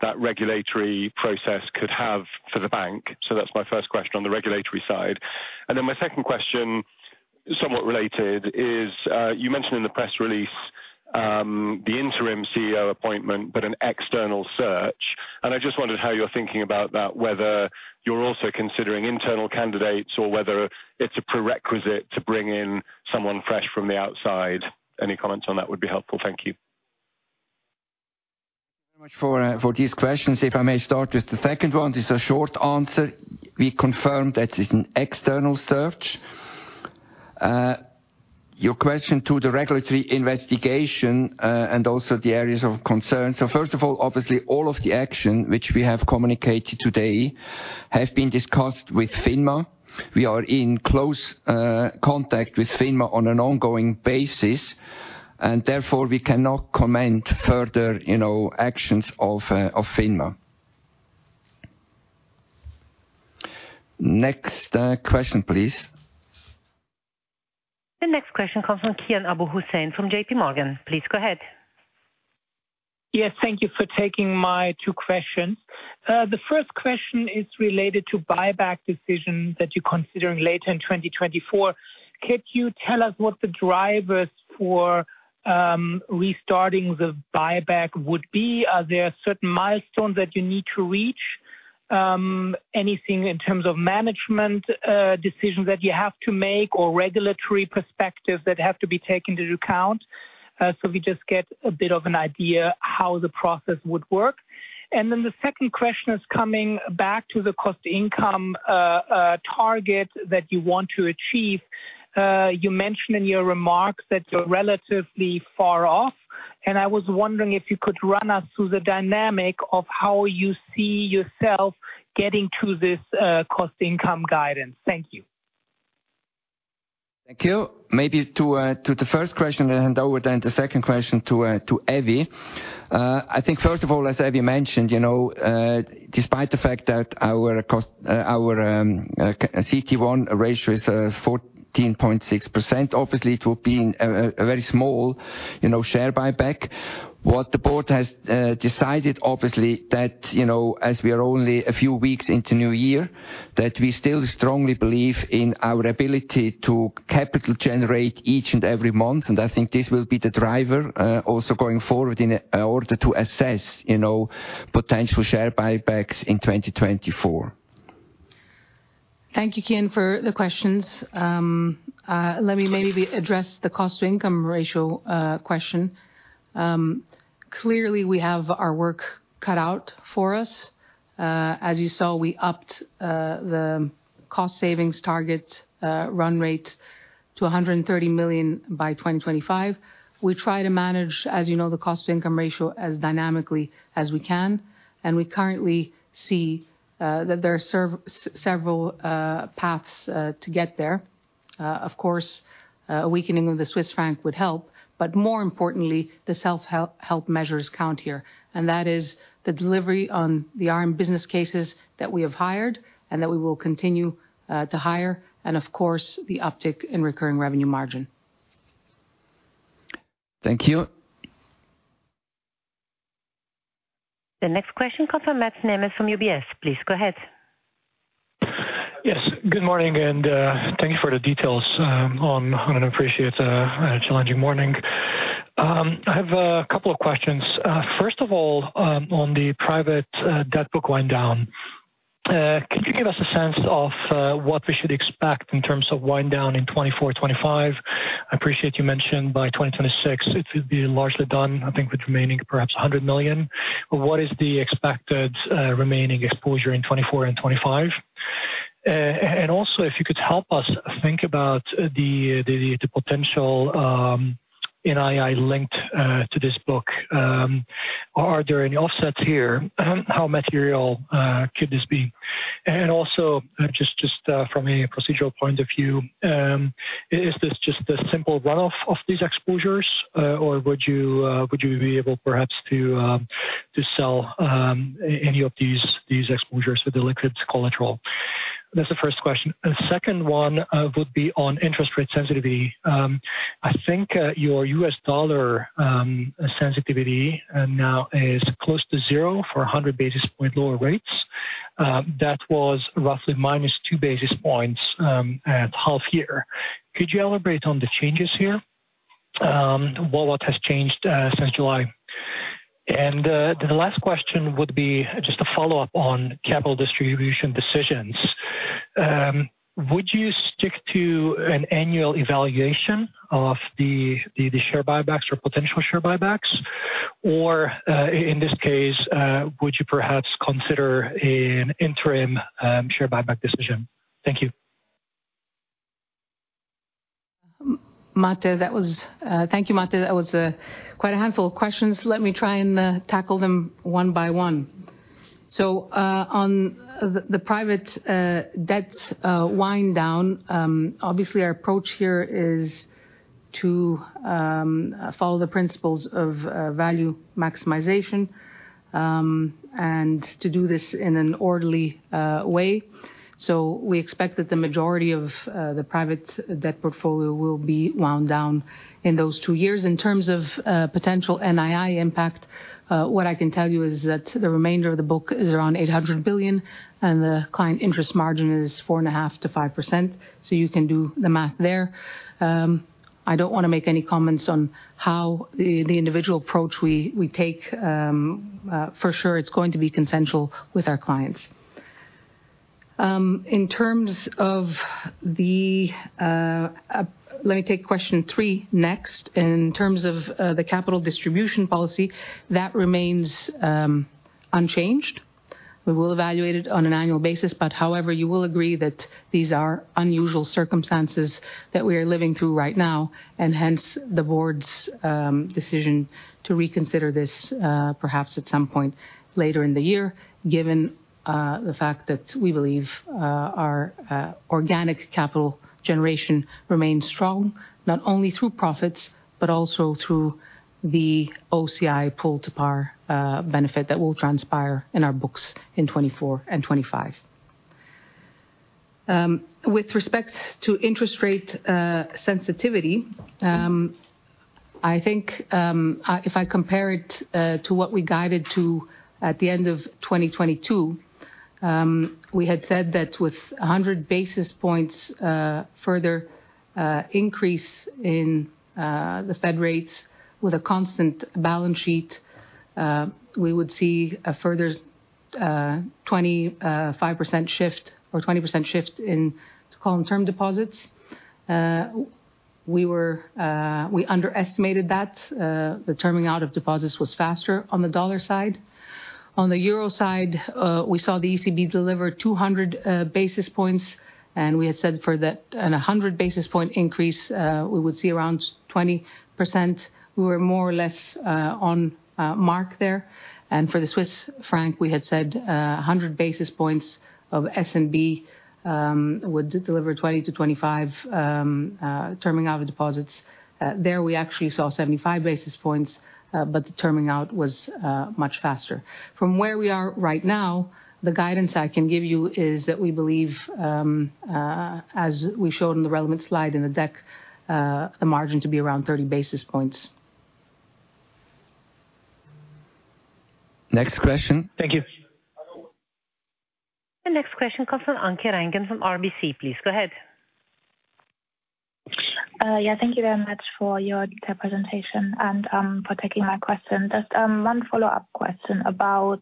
that regulatory process could have for the bank? So that's my first question on the regulatory side. My second question, somewhat related, is, you mentioned in the press release, the interim CEO appointment, but an external search. I just wondered how you're thinking about that, whether you're also considering internal candidates or whether it's a prerequisite to bring in someone fresh from the outside. Any comments on that would be helpful. Thank you. Thank you very much for these questions. If I may start with the second one, it's a short answer. We confirm that it's an external search. Your question to the regulatory investigation and also the areas of concern. So first of all, obviously, all of the action which we have communicated today have been discussed with FINMA. We are in close contact with FINMA on an ongoing basis, and therefore we cannot comment further, you know, actions of FINMA. Next question, please. The next question comes from Kian Abouhossein from JP Morgan. Please go ahead. Yes, thank you for taking my two questions. The first question is related to buyback decision that you're considering later in 2024. Could you tell us what the drivers for restarting the buyback would be? Are there certain milestones that you need to reach? Anything in terms of management decisions that you have to make or regulatory perspectives that have to be taken into account? We just get a bit of an idea how the process would work. The second question is coming back to the cost income target that you want to achieve. You mentioned in your remarks that you're relatively far off, and I was wondering if you could run us through the dynamic of how you see yourself getting to this cost income guidance. Thank you. Thank you. Maybe to the first question, and I would hand the second question to Evy. I think first of all, as Evy mentioned, you know, despite the fact that our CET1 ratio is 14.6%, obviously it will be a very small, you know, share buyback. What the board has decided obviously that, you know, as we are only a few weeks into new year, that we still strongly believe in our ability to capital generate each and every month, and I think this will be the driver also going forward in order to assess, you know, potential share buybacks in 2024. Thank you, Kian, for the questions. Let me maybe address the cost-to-income ratio question. Clearly, we have our work cut out for us. As you saw, we upped the cost savings target run rate to 130 million by 2025. We try to manage, as you know, the cost-to-income ratio as dynamically as we can, and we currently see that there are several paths to get there. Of course, a weakening of the Swiss franc would help, but more importantly, the self-help measures count here, and that is the delivery on the RM business cases that we have hired and that we will continue to hire, and of course, the uptick in recurring revenue margin. Thank you. The next question comes from Mate Nemes from UBS. Please go ahead. Yes, good morning, and thank you for the details. I appreciate a challenging morning. I have a couple of questions. First of all, on the private debt book wind down, could you give us a sense of what we should expect in terms of wind down in 2024, 2025? I appreciate you mentioned by 2026, it would be largely done, I think, with remaining perhaps 100 million, but what is the expected remaining exposure in 2024 and 2025? Also, if you could help us think about the potential NII linked to this book, are there any offsets here? How material could this be? Also, just from a procedural point of view, is this just a simple run-off of these exposures, or would you be able perhaps to sell any of these exposures with the liquid collateral? That's the first question. The second one would be on interest rate sensitivity. I think your U.S. dollar sensitivity now is close to zero for 100 basis points lower rates. That was roughly minus two basis points at half year. Could you elaborate on the changes here? What has changed since July? And the last question would be just a follow-up on capital distribution decisions. Would you stick to an annual evaluation of the share buybacks or potential share buybacks, or in this case, would you perhaps consider an interim share buyback decision? Thank you. Mate, that was. Thank you, Mate. That was quite a handful of questions. Let me try and tackle them one by one. So, on the private debt wind down, obviously our approach here is to follow the principles of value maximization and to do this in an orderly way. We expect that the majority of the private debt portfolio will be wound down in those two years. In terms of potential NII impact, what I can tell you is that the remainder of the book is around 800 billion, and the client interest margin is 4.5% to 5%, so you can do the math there. I don't want to make any comments on how the individual approach we take. For sure, it's going to be consensual with our clients. In terms of the, let me take question three next. In terms of the capital distribution policy, that remains unchanged. We will evaluate it on an annual basis, but however, you will agree that these are unusual circumstances that we are living through right now, and hence the board's decision to reconsider this, perhaps at some point later in the year, given the fact that we believe our organic capital generation remains strong, not only through profits, but also through the OCI pull to par benefit that will transpire in our books in 2024 and 2025. With respect to interest rate sensitivity, I think, if I compare it to what we guided to at the end of 2022, we had said that with 100 basis points further increase in the Fed rates with a constant balance sheet, we would see a further 25% shift, or 20% shift in, let's call them, term deposits. We underestimated that. The terming out of deposits was faster on the dollar side. On the euro side, we saw the ECB deliver 200 basis points, and we had said for that, and a 100 basis point increase, we would see around 20%. We were more or less on mark there. For the Swiss franc, we had said, a hundred basis points of S&P would deliver 20 to 25 terming out of deposits. There we actually saw 75 basis points, but the terming out was much faster. From where we are right now, the guidance I can give you is that we believe, as we showed in the relevant slide in the deck, the margin to be around 30 basis points. Next question? Thank you. The next question comes from Anke Reingen from RBC. Please go ahead. Yeah, thank you very much for your detailed presentation and for taking my question. Just one follow-up question about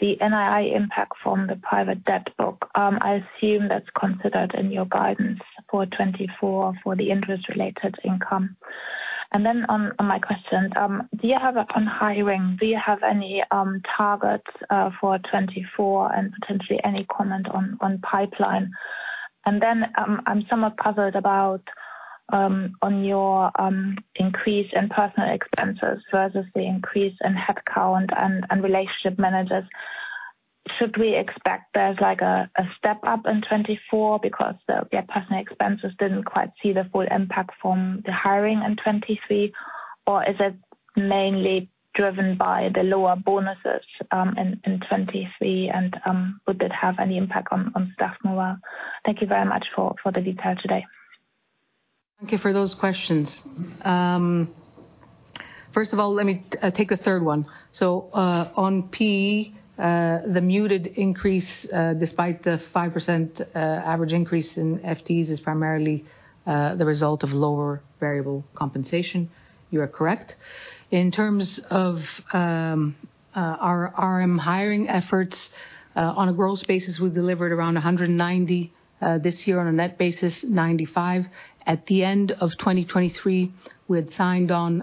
the NII impact from the private debt book. I assume that's considered in your guidance for 2024, for the interest related income. On my question, do you have upon hiring, do you have any targets for 2024 and potentially any comment on pipeline? I'm somewhat puzzled about on your increase in personnel expenses versus the increase in headcount and, and relationship managers. Should we expect there's like a step up in 2024 because personnel expenses didn't quite see the full impact from the hiring in 2023? Or is it mainly driven by the lower bonuses in 2023, and would it have any impact on staff morale? Thank you very much for the detail today. Thank you for those questions. First of all, let me take the third one. On P, the muted increase, despite the 5% average increase in FTEs is primarily the result of lower variable compensation. You are correct. In terms of our RM hiring efforts, on a gross basis, we delivered around 190 this year on a net basis, 95. At the end of 2023, we had signed on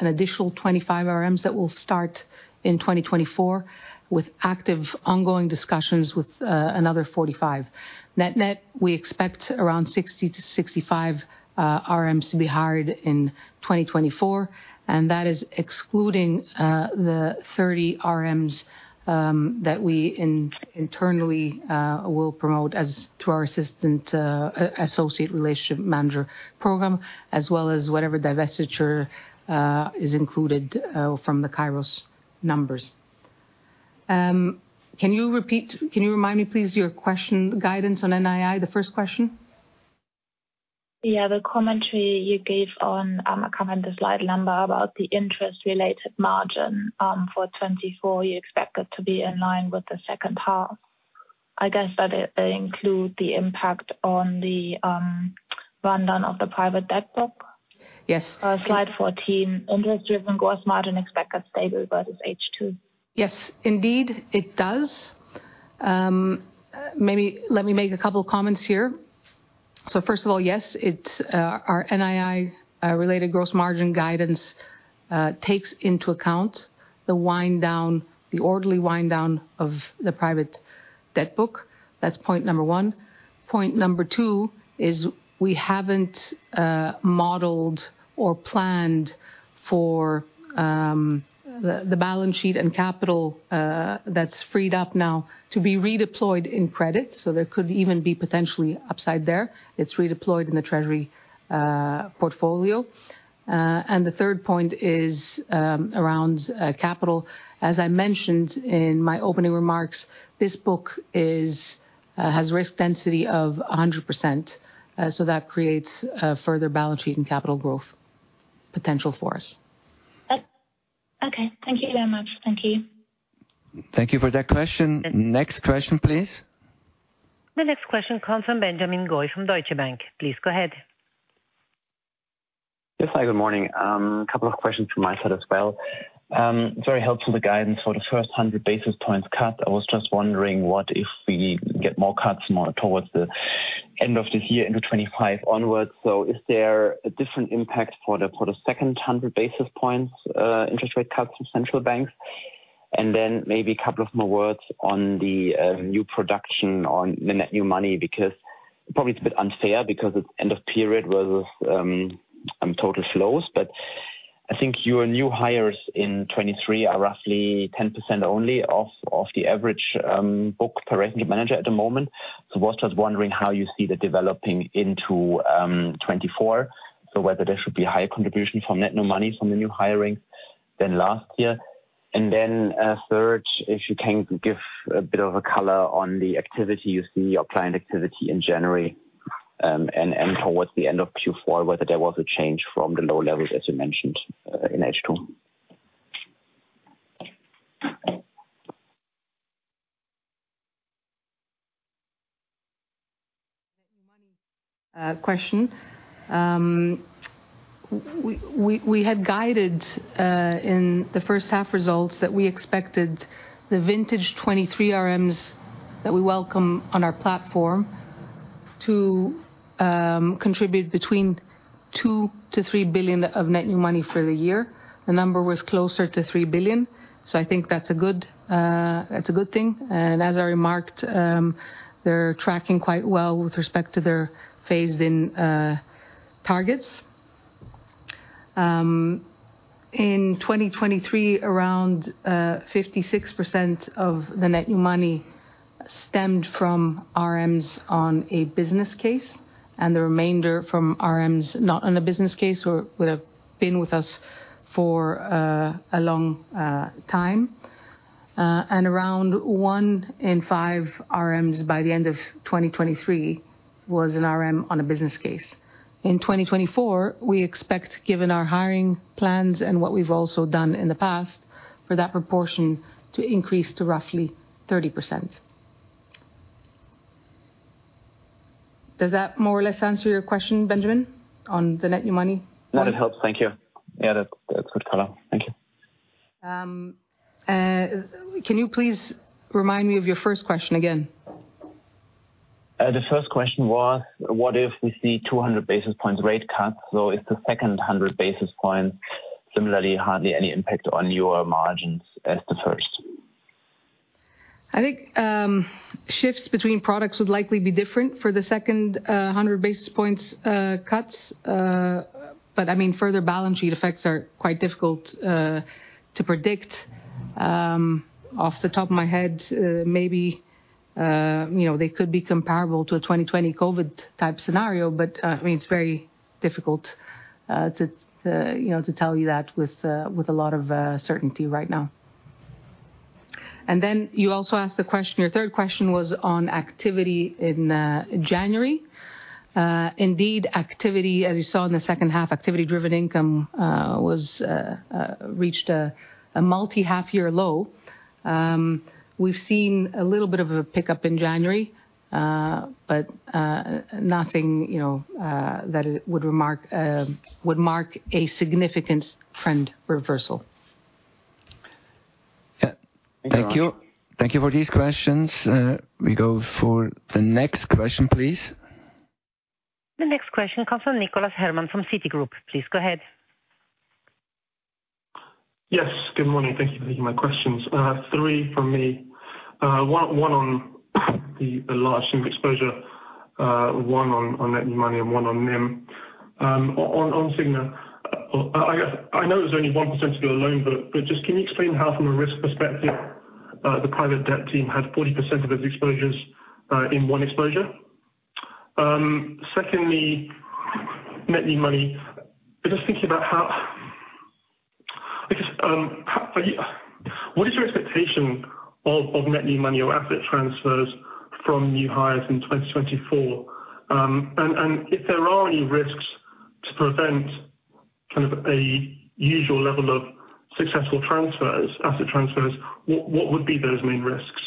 an additional 25 RMs that will start in 2024, with active ongoing discussions with another 45. Net-net, we expect around 60 to 65 RMs to be hired in 2024, and that is excluding the 30 RMs that we internally will promote as to our assistant associate relationship manager program, as well as whatever divestiture is included from the Kairos numbers. Can you remind me, please, your question, guidance on NII, the first question? The commentary you gave on, I can't remember the slide number, about the interest related margin, for 2024, you expect it to be in line with the second half. I guess that include the impact on the, rundown of the private debt book? Yes. Slide 14. Interest-driven gross margin expected stable versus H2. Yes, indeed, it does. Maybe let me make a couple of comments here. First of all, yes, it's our NII related gross margin guidance takes into account the wind down, the orderly wind down of the private debt book. That's point number one. Point number two is we haven't modeled or planned for the balance sheet and capital that's freed up now to be redeployed in credit, so there could even be potentially upside there. It's redeployed in the treasury portfolio. The third point is around capital. As I mentioned in my opening remarks, this book has risk density of 100%, so that creates a further balance sheet and capital growth potential for us. Okay. Thank you very much. Thank you. Thank you for that question. Next question, please. The next question comes from Benjamin Goy from Deutsche Bank. Please go ahead. Yes, hey, good morning. A couple of questions from my side as well. Very helpful, the guidance for the first 100 basis points cut. I was just wondering, what if we get more cuts more towards the end of this year into 2025 onwards? So is there a different impact for the, for the second 100 basis points, interest rate cuts from central banks? Maybe a couple of more words on the, new production on the net new money, because probably it's a bit unfair, because it's end of period versus, total flows. I think your new hires in 2023 are roughly 10% only of, of the average, book per relationship manager at the moment. I was just wondering how you see that developing into 2024, so whether there should be a higher contribution from net new money from the new hiring than last year. Third, if you can give a bit of a color on the activity you see, your client activity in January, and towards the end of Q4, whether there was a change from the low levels, as you mentioned, in H2. Question. We had guided in the first half results that we expected the vintage 2023 RMs that we welcome on our platform to contribute between CHF two to three billion of net new money for the year. The number was closer to 3 billion, so I think that's a good thing. As I remarked, they're tracking quite well with respect to their phased-in targets. In 2023, around 56% of the net new money stemmed from RMs on a business case, and the remainder from RMs not on a business case, or would have been with us for a long time. And around one in five RMs by the end of 2023 was an RM on a business case. In 2024, we expect, given our hiring plans and what we've also done in the past, for that proportion to increase to roughly 30%. Does that more or less answer your question, Benjamin, on the net new money? That helps, thank you. Yeah, that's, that's good follow-up. Thank you. Can you please remind me of your first question again? The first question was, what if we see 200 basis points rate cuts? Is the second 100 basis points similarly, hardly any impact on your margins as the first? I think shifts between products would likely be different for the second 100 basis points cuts. But I mean, further balance sheet effects are quite difficult to predict. Off the top of my head, maybe you know, they could be comparable to a 2020 COVID-type scenario, it's very difficult to tell you that with a lot of certainty right now. You also asked the question, your third question was on activity in January. Indeed, activity, as you saw in the second half, activity-driven income was reached a multi-half year low. We've seen a little bit of a pickup in January, but nothing you know that would mark a significant trend reversal. Yeah. Thank you. Thank you. Thank you for these questions. We go for the next question, please. The next question comes from Nicholas Herman from Citigroup. Please, go ahead. Yes, good morning. Thank you for taking my questions. I have three from me. One, one on the large single exposure, one on net new money, and one on NIM. On Signa, I know there's only 1% of your loan, but just can you explain how, from a risk perspective, the private debt team had 40% of its exposures in one exposure? Secondly, net new money. Just thinking about how, because, how are you? What is your expectation of net new money or asset transfers from new hires in 2024? If there are any risks to prevent kind of a usual level of successful transfers, asset transfers, what would be those main risks?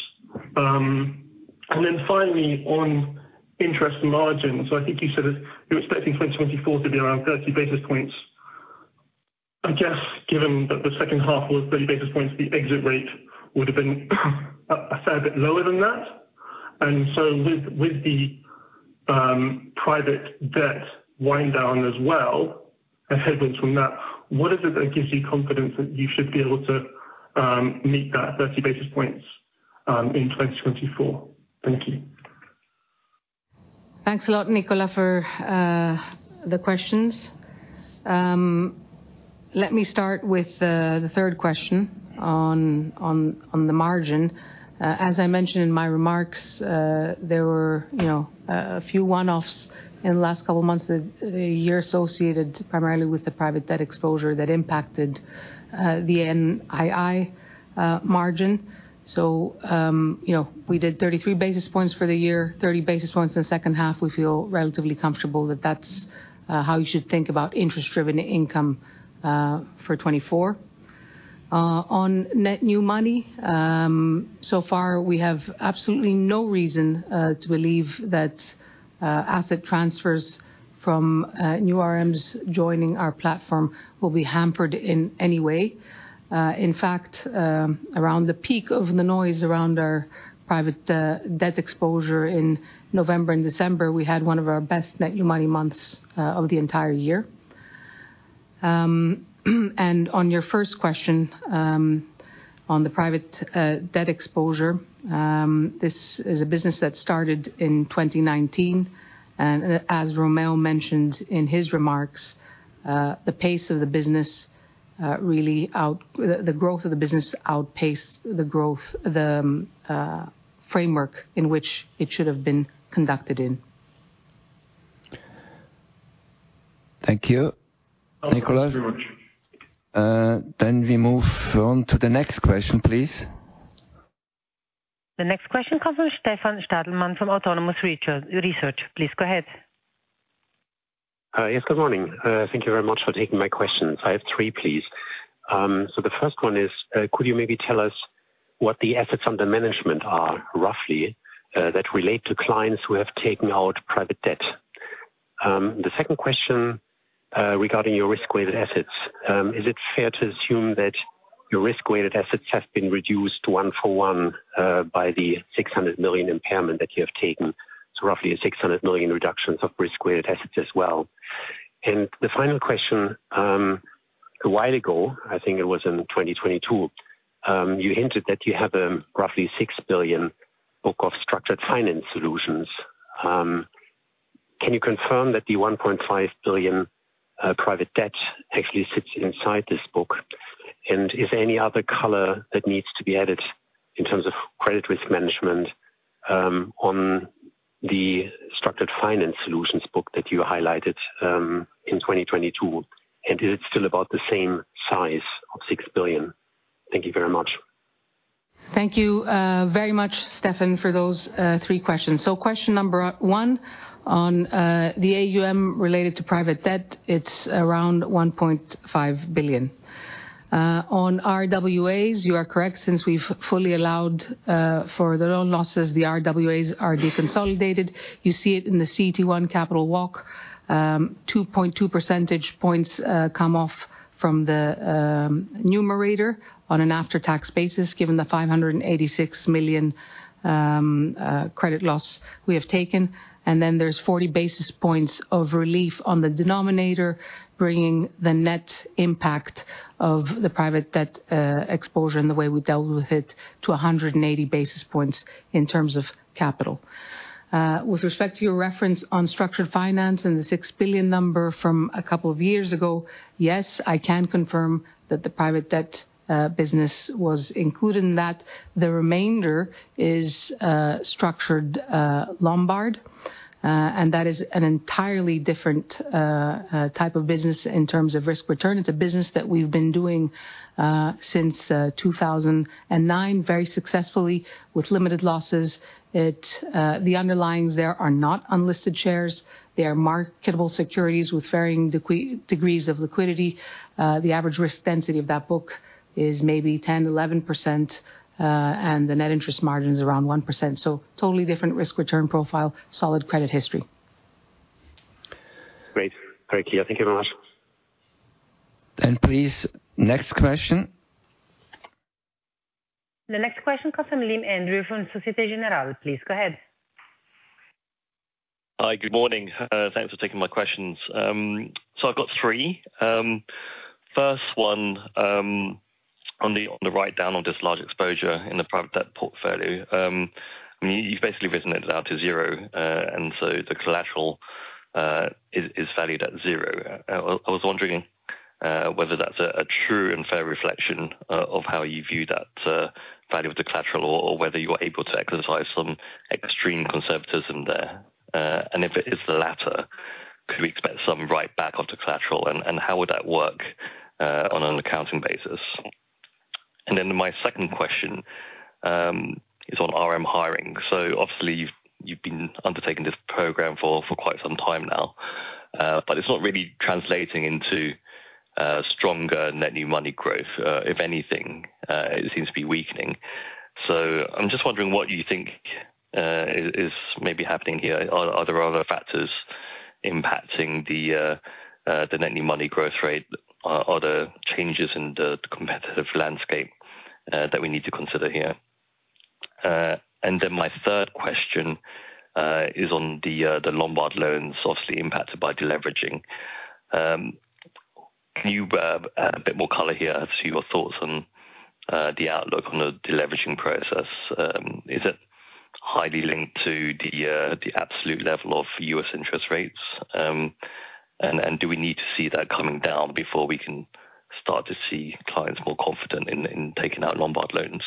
Finally, on interest margins, so I think you said that you're expecting 2024 to be around 30 basis points. I guess, given that the second half was 30 basis points, the exit rate would have been a fair bit lower than that. And so with the private debt wind down as well, and headwinds from that, what is it that gives you confidence that you should be able to meet that 30 basis points in 2024? Thank you. Thanks a lot, Nicholas, for the questions. Let me start with the third question on the margin. As I mentioned in my remarks, there were, you know, a few one-offs in the last couple of months, the year associated primarily with the private debt exposure that impacted the NII margin. You know, we did 33 basis points for the year, 30 basis points in the second half. We feel relatively comfortable that that's how you should think about interest-driven income for 2024. On net new money, so far, we have absolutely no reason to believe that asset transfers from new RMs joining our platform will be hampered in any way. In fact, around the peak of the noise around our private debt exposure in November and December, we had one of our best net new money months of the entire year. On your first question, on the private debt exposure, this is a business that started in 2019, and as Romeo mentioned in his remarks, the pace of the business really outpaced the growth of the framework in which it should have been conducted in. Thank you, Nicholas. Thank you very much. Then we move on to the next question, please. The next question comes from Stefan Stalmann from Autonomous Research. Please, go ahead. Yes, good morning. Thank you very much for taking my questions. I have three, please. So the first one is, could you maybe tell us what the assets under management are, roughly, that relate to clients who have taken out private debt? The second question, regarding your risk-weighted assets, is it fair to assume that your risk-weighted assets have been reduced one for one, by the 600 million impairment that you have taken, so roughly a 600 million reductions of risk-weighted assets as well? The final question, a while ago, I think it was in 2022, you hinted that you have, roughly 6 billion book of structured finance solutions. Can you confirm that the 1.5 billion private debt actually sits inside this book? Is there any other color that needs to be added in terms of credit risk management, on the structured finance solutions book that you highlighted, in 2022? Is it still about the same size of 6 billion? Thank you very much. Thank you, very much, Stefan, for those, three questions. Question number one, on, the AUM related to private debt, it's around 1.5 billion. On RWAs, you are correct. Since we've fully allowed, for the loan losses, the RWAs are deconsolidated. You see it in the CET1 capital walk. 2.2 percentage points, come off from the, numerator on an after-tax basis, given the 586 million, credit loss we have taken, and then there's 40 basis points of relief on the denominator, bringing the net impact of the private debt, exposure and the way we dealt with it to 180 basis points in terms of capital. With respect to your reference on structured finance and the 6 billion number from a couple of years ago, yes, I can confirm that the private debt business was included in that. The remainder is structured Lombard, and that is an entirely different type of business in terms of risk return. It's a business that we've been doing since 2009, very successfully with limited losses. The underlyings there are not unlisted shares. They are marketable securities with varying degrees of liquidity. The average risk density of that book is maybe 10, 11%, and the net interest margin is around 1%, so totally different risk return profile, solid credit history. Great. Very clear. Thank you very much. Please, next question. The next question comes from Lim Andrew from Société Générale. Please, go ahead. Hi, good morning. Thanks for taking my questions. I've got three. First one, on the write down on this large exposure in the private debt portfolio. I mean, you've basically written it out to zero, and so the collateral is valued at zero. I was wondering whether that's a true and fair reflection of how you view that value of the collateral, or whether you are able to exercise some extreme conservatism there. If it is the latter, could we expect some write back onto collateral, and how would that work on an accounting basis? My second question is on RM hiring. You've been undertaking this program for quite some time now, but it's not really translating into stronger net new money growth. If anything, it seems to be weakening. I'm just wondering what you think is maybe happening here. Are there other factors impacting the net new money growth rate? Are there changes in the competitive landscape that we need to consider here? My third question is on the Lombard loans obviously impacted by deleveraging. Can you a bit more color here as to your thoughts on the outlook on the deleveraging process? Is it highly linked to the absolute level of U.S. interest rates? Do we need to see that coming down before we can start to see clients more confident in taking out Lombard loans?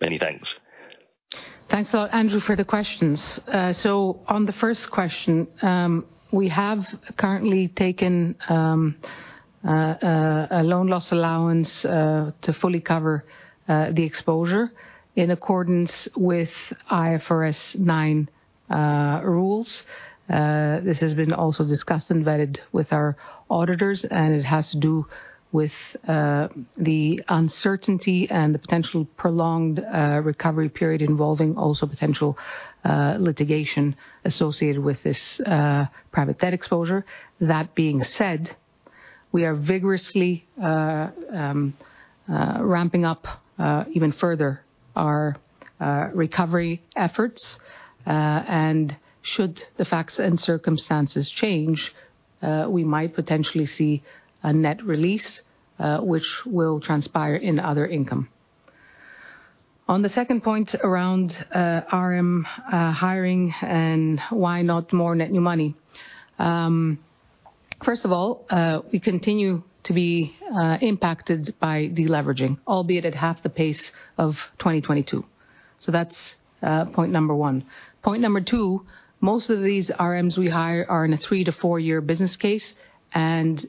Many thanks. Thanks a lot, Andrew, for the questions. On the first question, we have currently taken a loan loss allowance to fully cover the exposure in accordance with IFRS nine rules. This has been also discussed and vetted with our auditors, and it has to do with the uncertainty and the potential prolonged recovery period involving also potential litigation associated with this private debt exposure. That being said, we are vigorously ramping up even further our recovery efforts, and should the facts and circumstances change, we might potentially see a net release, which will transpire in other income. On the second point around RM hiring and why not more net new money. First of all, we continue to be impacted by deleveraging, albeit at half the pace of 2022. That's point number one. Point number two, most of these RMs we hire are in a three- to four-year business case, and,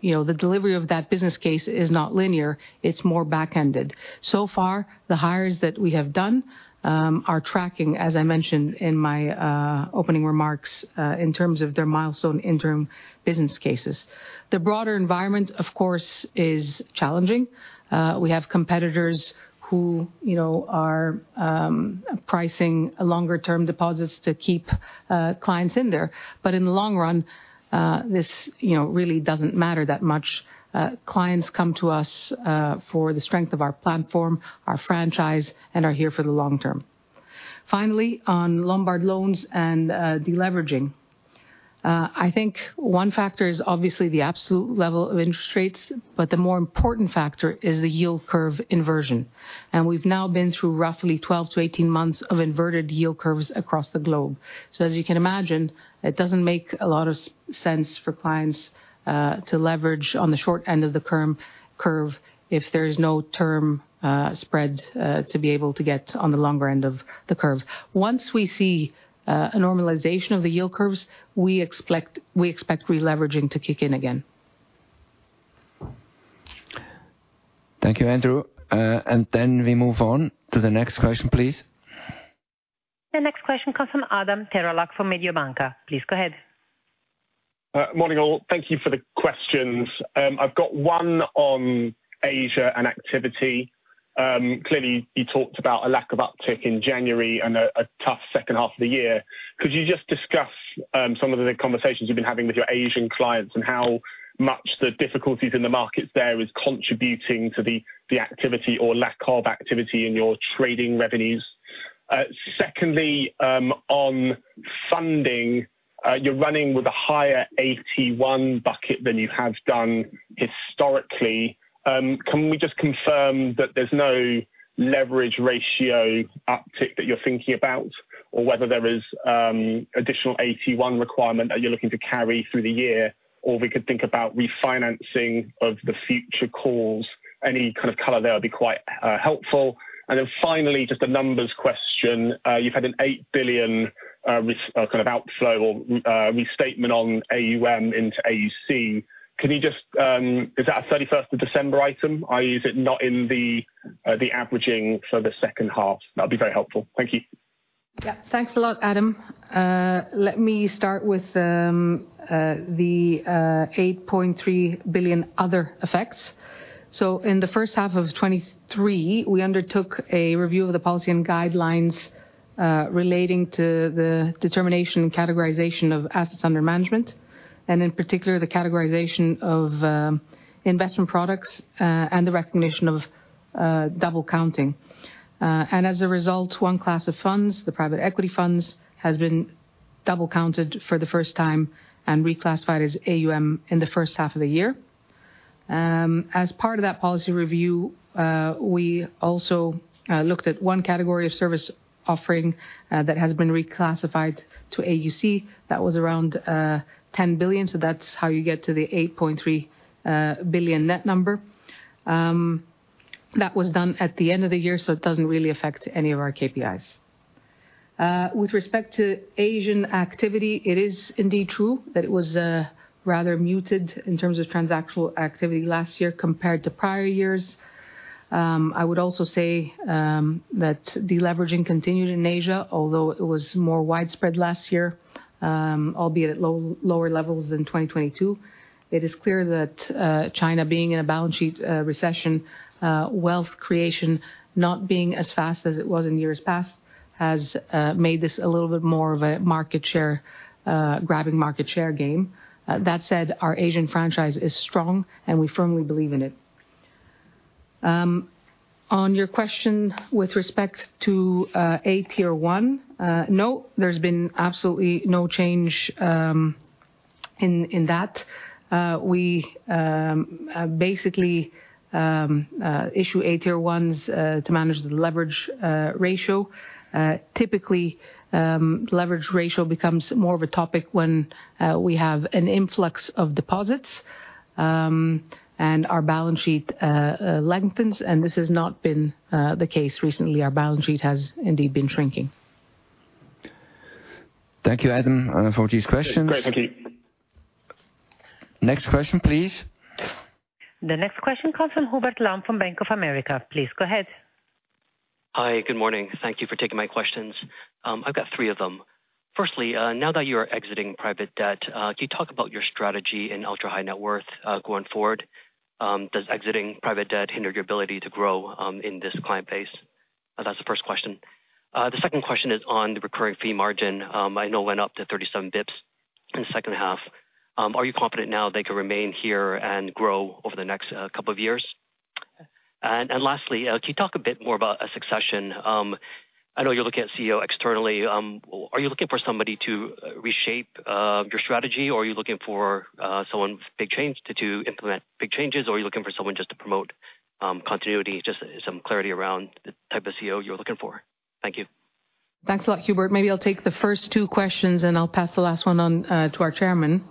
you know, the delivery of that business case is not linear, it's more back-ended. So far, the hires that we have done are tracking, as I mentioned in my opening remarks, in terms of their milestone interim business cases. The broader environment, of course, is challenging. We have competitors who, you know, are pricing longer-term deposits to keep clients in there. But in the long run, this, you know, really doesn't matter that much. Clients come to us for the strength of our platform, our franchise, and are here for the long term. Finally, on Lombard loans and deleveraging. I think one factor is obviously the absolute level of interest rates, but the more important factor is the yield curve inversion. We've now been through 12 to 18 months of inverted yield curves across the globe. As you can imagine, it doesn't make a lot of sense for clients to leverage on the short end of the term curve if there is no term spread to be able to get on the longer end of the curve. Once we see a normalization of the yield curves, we expect releveraging to kick in again. Thank you, Andrew. Then we move on to the next question, please. The next question comes from Adam Terelak from Mediobanca. Please go ahead. Morning, all. Thank you for the questions. I've got one on Asia and activity. Clearly, you talked about a lack of uptick in January and a tough second half of the year. Could you just discuss some of the conversations you've been having with your Asian clients, and how much the difficulties in the markets there is contributing to the activity or lack of activity in your trading revenues? Secondly, on funding, you're running with a higher AT1 bucket than you have done historically. Can we just confirm that there's no leverage ratio uptick that you're thinking about, or whether there is additional AT1 requirement that you're looking to carry through the year, or we could think about refinancing of the future calls? Any kind of color there would be quite helpful. Finally, just a numbers question. You've had a 8 billion kind of outflow or restatement on AUM into AUC. Can you just... Is that a 31 December item, i.e., is it not in the averaging for the second half? That'd be very helpful. Thank you. Thanks a lot, Adam. Let me start with the 8.3 billion other effects. In the first half of 2023, we undertook a review of the policy and guidelines relating to the determination and categorization of assets under management, and in particular, the categorization of investment products and the recognition of double counting. As a result, one class of funds, the private equity funds, has been double counted for the first time and reclassified as AUM in the first half of the year. As part of that policy review, we also looked at one category of service offering that has been reclassified to AUC. That was around 10 billion, so that's how you get to the 8.3 billion net number. That was done at the end of the year, so it doesn't really affect any of our KPIs. With respect to Asian activity, it is indeed true that it was rather muted in terms of transactional activity last year compared to prior years. I would also say that deleveraging continued in Asia, although it was more widespread last year, albeit at lower levels than 2022. It is clear that China, being in a balance sheet recession, wealth creation not being as fast as it was in years past, has made this a little bit more of a market share grabbing market share game. That said, our Asian franchise is strong, and we firmly believe in it. On your question with respect to AT1, no, there's been absolutely no change in that. We basically issue AT1s to manage the leverage ratio. Typically, leverage ratio becomes more of a topic when we have an influx of deposits and our balance sheet lengthens, and this has not been the case recently. Our balance sheet has indeed been shrinking. Thank you, Adam, for these questions. Thank you. Next question, please. The next question comes from Hubert Lam from Bank of America. Please go ahead. Hi, good morning. Thank you for taking my questions. I've got three of them. Firstly, now that you are exiting private debt, can you talk about your strategy in ultra high net worth going forward? Does exiting private debt hinder your ability to grow in this client base? That's the first question. The second question is on the recurring fee margin. I know it went up to 37 basis points in the second half. Are you confident now they can remain here and grow over the next couple of years? And lastly, can you talk a bit more about a succession? I know you're looking at CEO externally. Are you looking for somebody to reshape your strategy, or are you looking for someone to implement big changes, or are you looking for someone just to promote continuity? Just some clarity around the type of CEO you're looking for. Thank you. Thanks a lot, Hubert. Maybe I'll take the first two questions, and I'll pass the last one on to our chairman.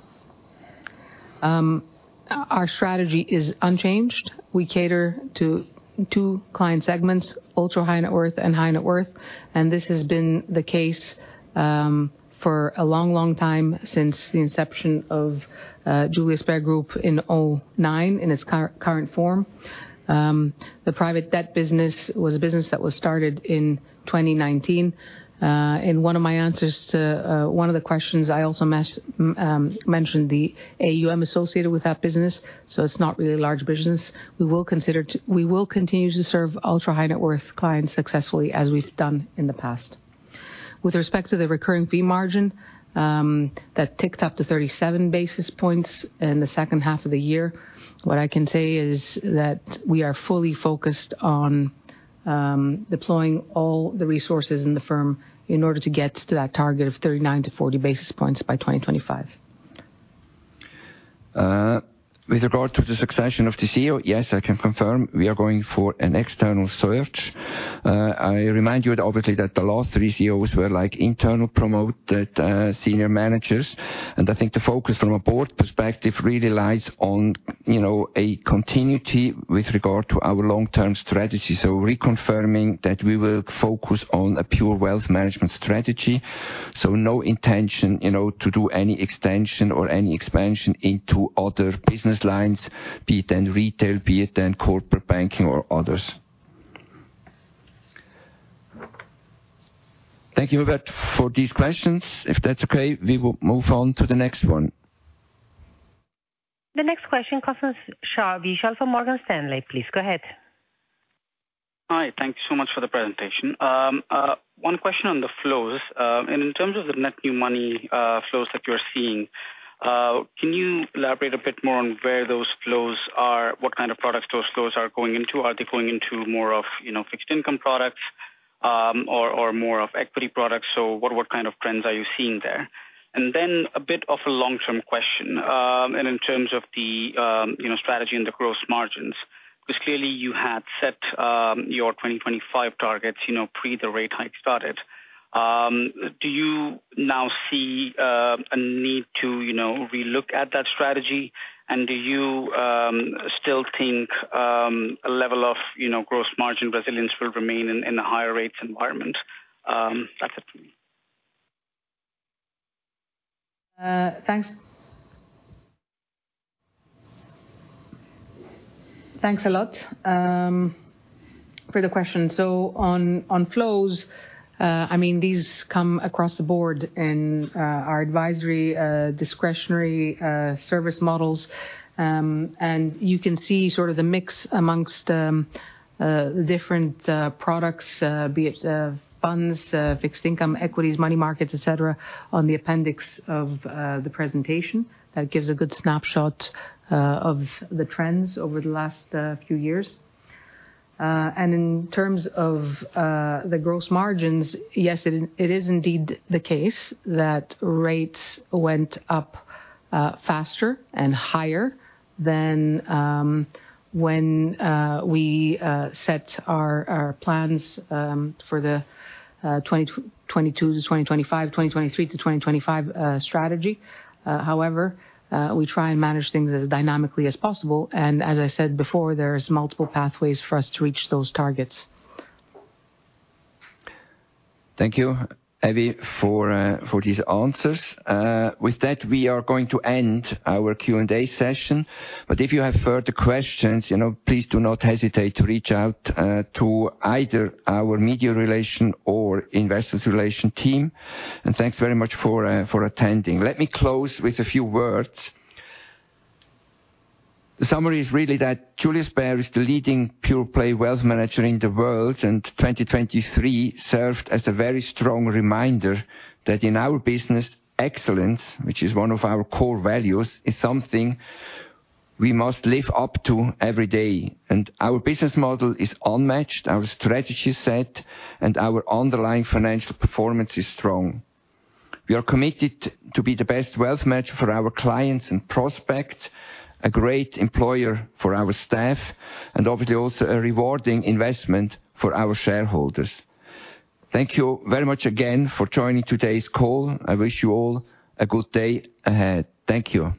Our strategy is unchanged. We cater to two client segments, ultra high net worth and high net worth, and this has been the case for a long, long time since the inception of Julius Bär Group in 2009, in its current form. The private debt business was a business that was started in 2019. In one of my answers to one of the questions, I also mentioned the AUM associated with that business, so it's not really a large business. We will continue to serve ultra-high net worth clients successfully, as we've done in the past. With respect to the recurring fee margin, that ticked up to 37 basis points in the second half of the year, what I can say is that we are fully focused on deploying all the resources in the firm in order to get to that target of 39 to 40 basis points by 2025. With regard to the succession of the CEO, yes, I can confirm we are going for an external search. I remind you obviously, that the last three CEOs were like internal promoted, senior managers, and I think the focus from a board perspective really lies on, you know, a continuity with regard to our long-term strategy. Reconfirming that we will focus on a pure wealth management strategy, so no intention, you know, to do any extension or any expansion into other business lines, be it in retail, be it in corporate banking or others. Thank you, Hubert, for these questions. If that's okay, we will move on to the next one. The next question comes from Vishal from Morgan Stanley. Please go ahead. Hi, thank you so much for the presentation. One question on the flows. In terms of the net new money flows that you're seeing, can you elaborate a bit more on where those flows are? What kind of products those flows are going into? Are they going into more of, you know, fixed income products, or more of equity products? What kind of trends are you seeing there? And then a bit of a long-term question. In terms of the, you know, strategy and the gross margins, because clearly you had set your 2025 targets, you know, pre the rate hike started. Do you now see a need to, you know, relook at that strategy? Do you still think a level of, you know, gross margin resilience will remain in a higher rates environment? That's it for me. Thanks. Thanks a lot for the question. On flows, I mean, these come across the board in our advisory, discretionary service models. You can see sort of the mix amongst the different products, be it funds, fixed income, equities, money markets, et cetera, on the appendix of the presentation. That gives a good snapshot of the trends over the last few years. In terms of the gross margins, yes, it is indeed the case that rates went up faster and higher than when we set our plans for the 2022 to 2025, 2023 to 2025 strategy. However, we try and manage things as dynamically as possible, and as I said before, there's multiple pathways for us to reach those targets. Thank you, Evie, for, for these answers. With that, we are going to end our Q&A session. If you have further questions, you know, please do not hesitate to reach out, to either our media relation or investors relation team. And thanks very much for, for attending. Let me close with a few words. The summary is really that Julius Bär is the leading pure play wealth manager in the world, and 2023 served as a very strong reminder that in our business excellence, which is one of our core values, is something we must live up to every day. Our business model is unmatched, our strategy is set, and our underlying financial performance is strong. We are committed to be the best wealth manager for our clients and prospects, a great employer for our staff, and obviously also a rewarding investment for our shareholders. Thank you very much again for joining today's call. I wish you all a good day ahead. Thank you.